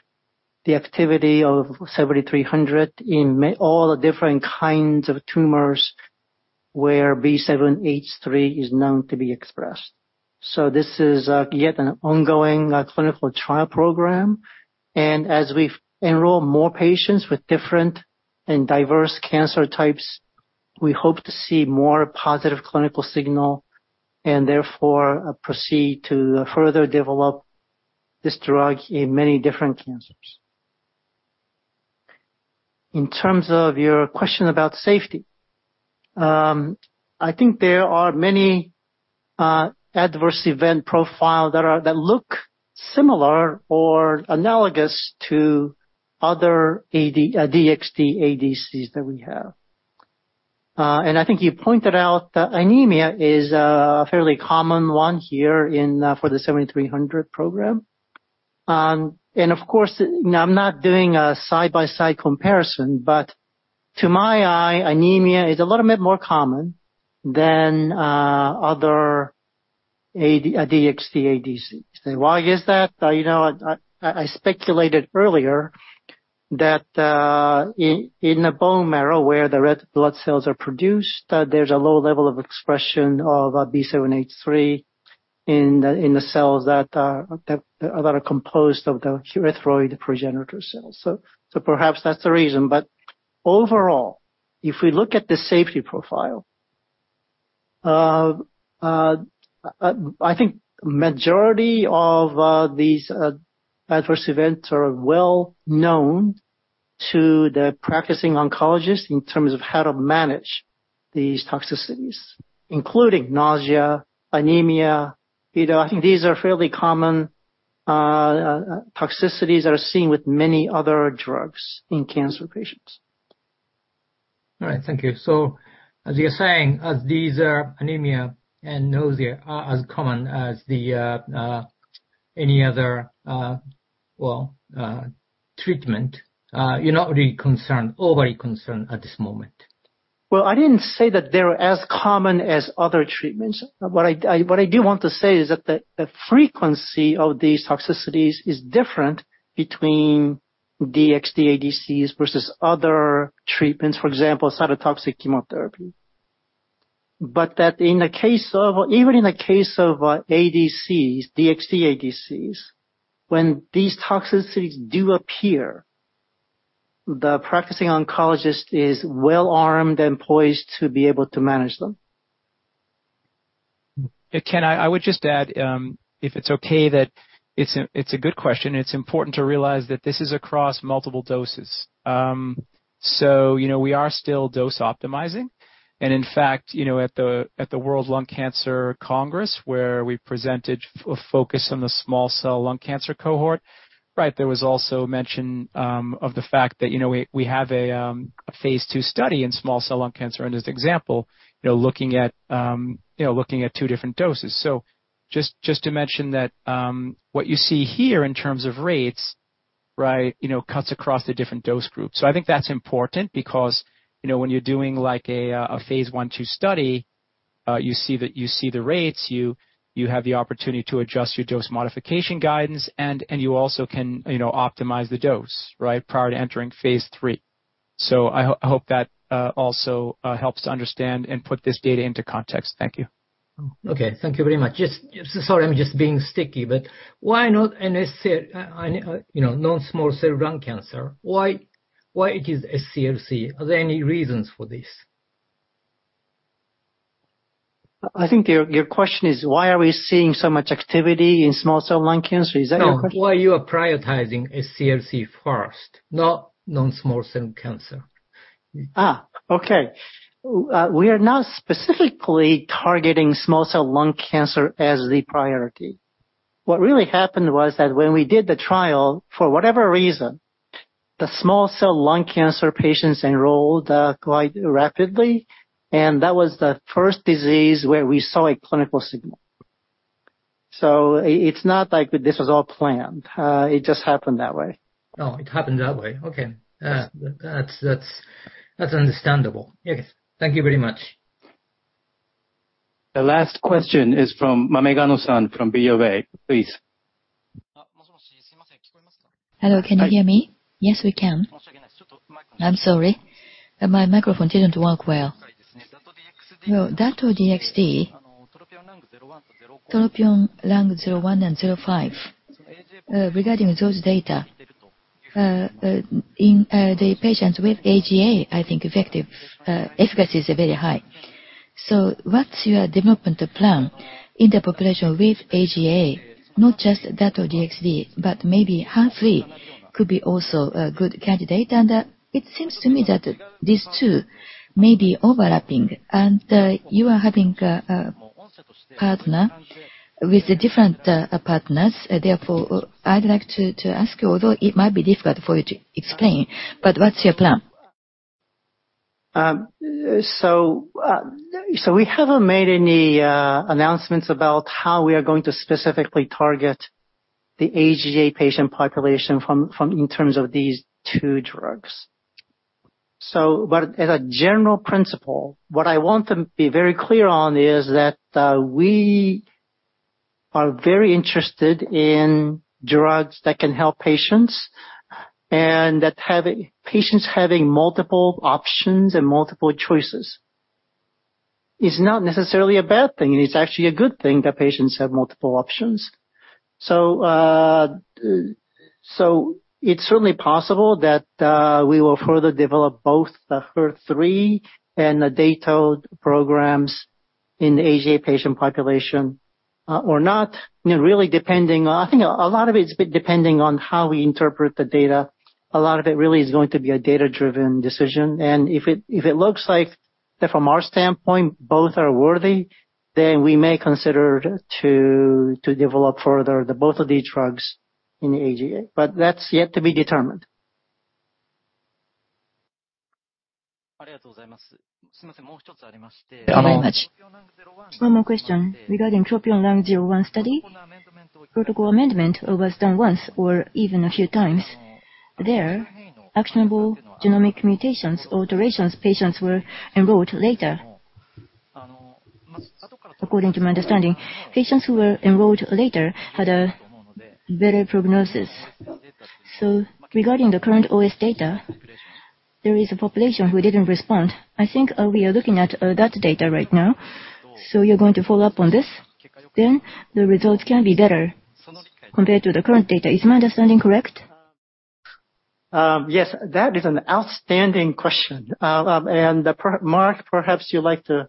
[SPEAKER 4] activity of 7,300 in all the different kinds of tumors where B7-H3 is known to be expressed. So this is yet an ongoing clinical trial program, and as we enroll more patients with different and diverse cancer types, we hope to see more positive clinical signal, and therefore proceed to further develop this drug in many different cancers. In terms of your question about safety, I think there are many adverse event profile that are, that look similar or analogous to other DXd ADCs that we have. I think you pointed out that anemia is a fairly common one here for the 7300 program. Of course, now, I'm not doing a side-by-side comparison, but to my eye, anemia is a little bit more common than other DXd ADCs. Why is that? You know what? I speculated earlier that in the bone marrow, where the red blood cells are produced, that there's a low level of expression of B7-H3 in the cells that are composed of the erythroid progenitor cells. So perhaps that's the reason. But overall, if we look at the safety profile, I think majority of these adverse events are well-known to the practicing oncologist in terms of how to manage these toxicities, including nausea, anemia. You know, I think these are fairly common toxicities that are seen with many other drugs in cancer patients.
[SPEAKER 11] All right. Thank you. So as you're saying, as these anemia and nausea are as common as the, any other, well, treatment, you're not really concerned, overly concerned at this moment?
[SPEAKER 4] Well, I didn't say that they were as common as other treatments. What I do want to say is that the frequency of these toxicities is different between DXd ADCs versus other treatments, for example, cytotoxic chemotherapy. But that in the case of, even in the case of, ADCs, DXd ADCs, when these toxicities do appear, the practicing oncologist is well-armed and poised to be able to manage them.
[SPEAKER 1] Ken, I would just add, if it's okay, that it's a good question. It's important to realize that this is across multiple doses. So you know, we are still dose optimizing, and in fact, you know, at the World Lung Cancer Congress, where we presented focus on the small cell lung cancer cohort, right? There was also mention of the fact that, you know, we have a phase II study in small cell lung cancer. And as an example, you know, looking at two different doses. Just to mention that, what you see here in terms of rates, right, you know, cuts across the different dose groups. So I think that's important because, you know, when you're doing like a phase 1/2 study, you see that you see the rates, you have the opportunity to adjust your dose modification guidance, and you also can, you know, optimize the dose, right? Prior to entering phase III. So I hope that also helps to understand and put this data into context. Thank you.
[SPEAKER 11] Okay, thank you very much. Just, so sorry, I'm just being sticky, but why not NSCLC, you know, non-small cell lung cancer, why, why it is SCLC? Are there any reasons for this?
[SPEAKER 4] I think your question is why are we seeing so much activity in small cell lung cancer? Is that your question?
[SPEAKER 11] No. Why you are prioritizing SCLC first, not non-small cell cancer?
[SPEAKER 4] Ah! Okay. We are now specifically targeting small cell lung cancer as the priority. What really happened was that when we did the trial, for whatever reason, the small cell lung cancer patients enrolled quite rapidly, and that was the first disease where we saw a clinical signal. So it's not like this was all planned, it just happened that way.
[SPEAKER 11] Oh, it happened that way. Okay. That's, that's, that's understandable. Yes. Thank you very much.
[SPEAKER 2] The last question is from Mamegano-san from BofA. Please.
[SPEAKER 12] Hello, can you hear me?
[SPEAKER 2] Yes, we can.
[SPEAKER 12] I'm sorry, but my microphone didn't work well. Well, that or Dato-DXd, TROPION-Lung01 and 05, regarding those data, in the patients with AGA, I think the efficacy is very high. So what's your development plan in the population with AGA? Not just that or Dato-DXd, but maybe HER3 could be also a good candidate. And, it seems to me that these two may be overlapping, and, you are having a, a partner with the different, partners. Therefore, I'd like to, to ask you, although it might be difficult for you to explain, but what's your plan?
[SPEAKER 4] So, so we haven't made any announcements about how we are going to specifically target the AGA patient population from in terms of these two drugs. So but as a general principle, what I want to be very clear on is that, we are very interested in drugs that can help patients, and that having patients having multiple options and multiple choices is not necessarily a bad thing, and it's actually a good thing that patients have multiple options. So, so it's certainly possible that, we will further develop both the HER3 and the Dato programs in the AGA patient population, or not, you know, really depending, I think a lot of it is depending on how we interpret the data. A lot of it really is going to be a data-driven decision. If it looks like that from our standpoint, both are worthy, then we may consider to develop further both of these drugs in the AGA. But that's yet to be determined.
[SPEAKER 12] Thank you very much. One more question. Regarding TROPION-Lung01 study, protocol amendment was done once or even a few times. There, actionable genomic mutations, alterations, patients were enrolled later. According to my understanding, patients who were enrolled later had a better prognosis. So regarding the current OS data, there is a population who didn't respond. I think, we are looking at, that data right now. So you're going to follow up on this, then? The results can be better compared to the current data. Is my understanding correct?
[SPEAKER 4] Yes, that is an outstanding question. And Mark, perhaps you'd like to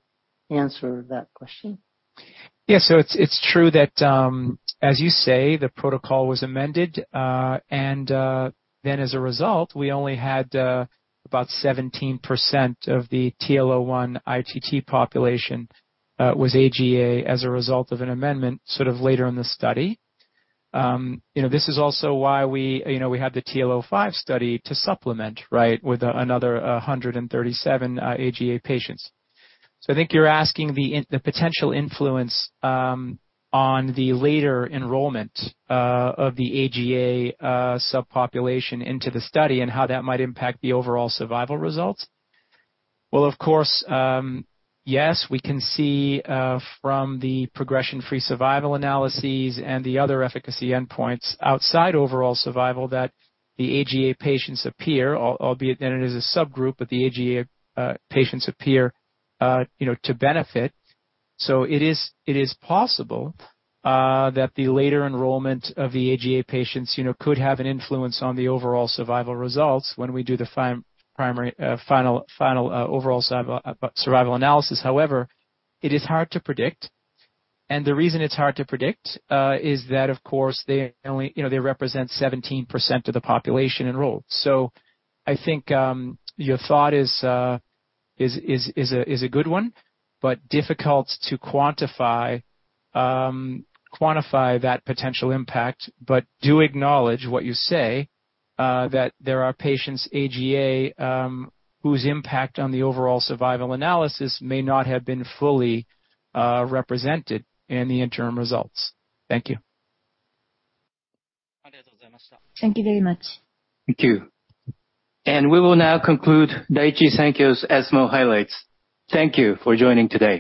[SPEAKER 4] answer that question.
[SPEAKER 1] Yes, so it's true that, as you say, the protocol was amended, and then as a result, we only had about 17% of the TLO1 ITT population was AGA as a result of an amendment sort of later in the study. You know, this is also why we, you know, we had the TLO five study to supplement, right, with another 137 AGA patients. So I think you're asking the potential influence on the later enrollment of the AGA subpopulation into the study, and how that might impact the overall survival results. Well, of course, yes, we can see from the progression-free survival analyses and the other efficacy endpoints outside overall survival, that the AGA patients appear, albeit, and it is a subgroup, but the AGA patients appear, you know, to benefit. So it is possible that the later enrollment of the AGA patients, you know, could have an influence on the overall survival results when we do the final overall survival analysis. However, it is hard to predict. The reason it's hard to predict is that, of course, they only, you know, they represent 17% of the population enrolled. So I think your thought is a good one, but difficult to quantify that potential impact, but do acknowledge what you say, that there are patients, AGA, whose impact on the overall survival analysis may not have been fully represented in the interim results. Thank you.
[SPEAKER 12] Thank you very much.
[SPEAKER 2] Thank you. We will now conclude Daiichi Sankyo's ESMO highlights. Thank you for joining today.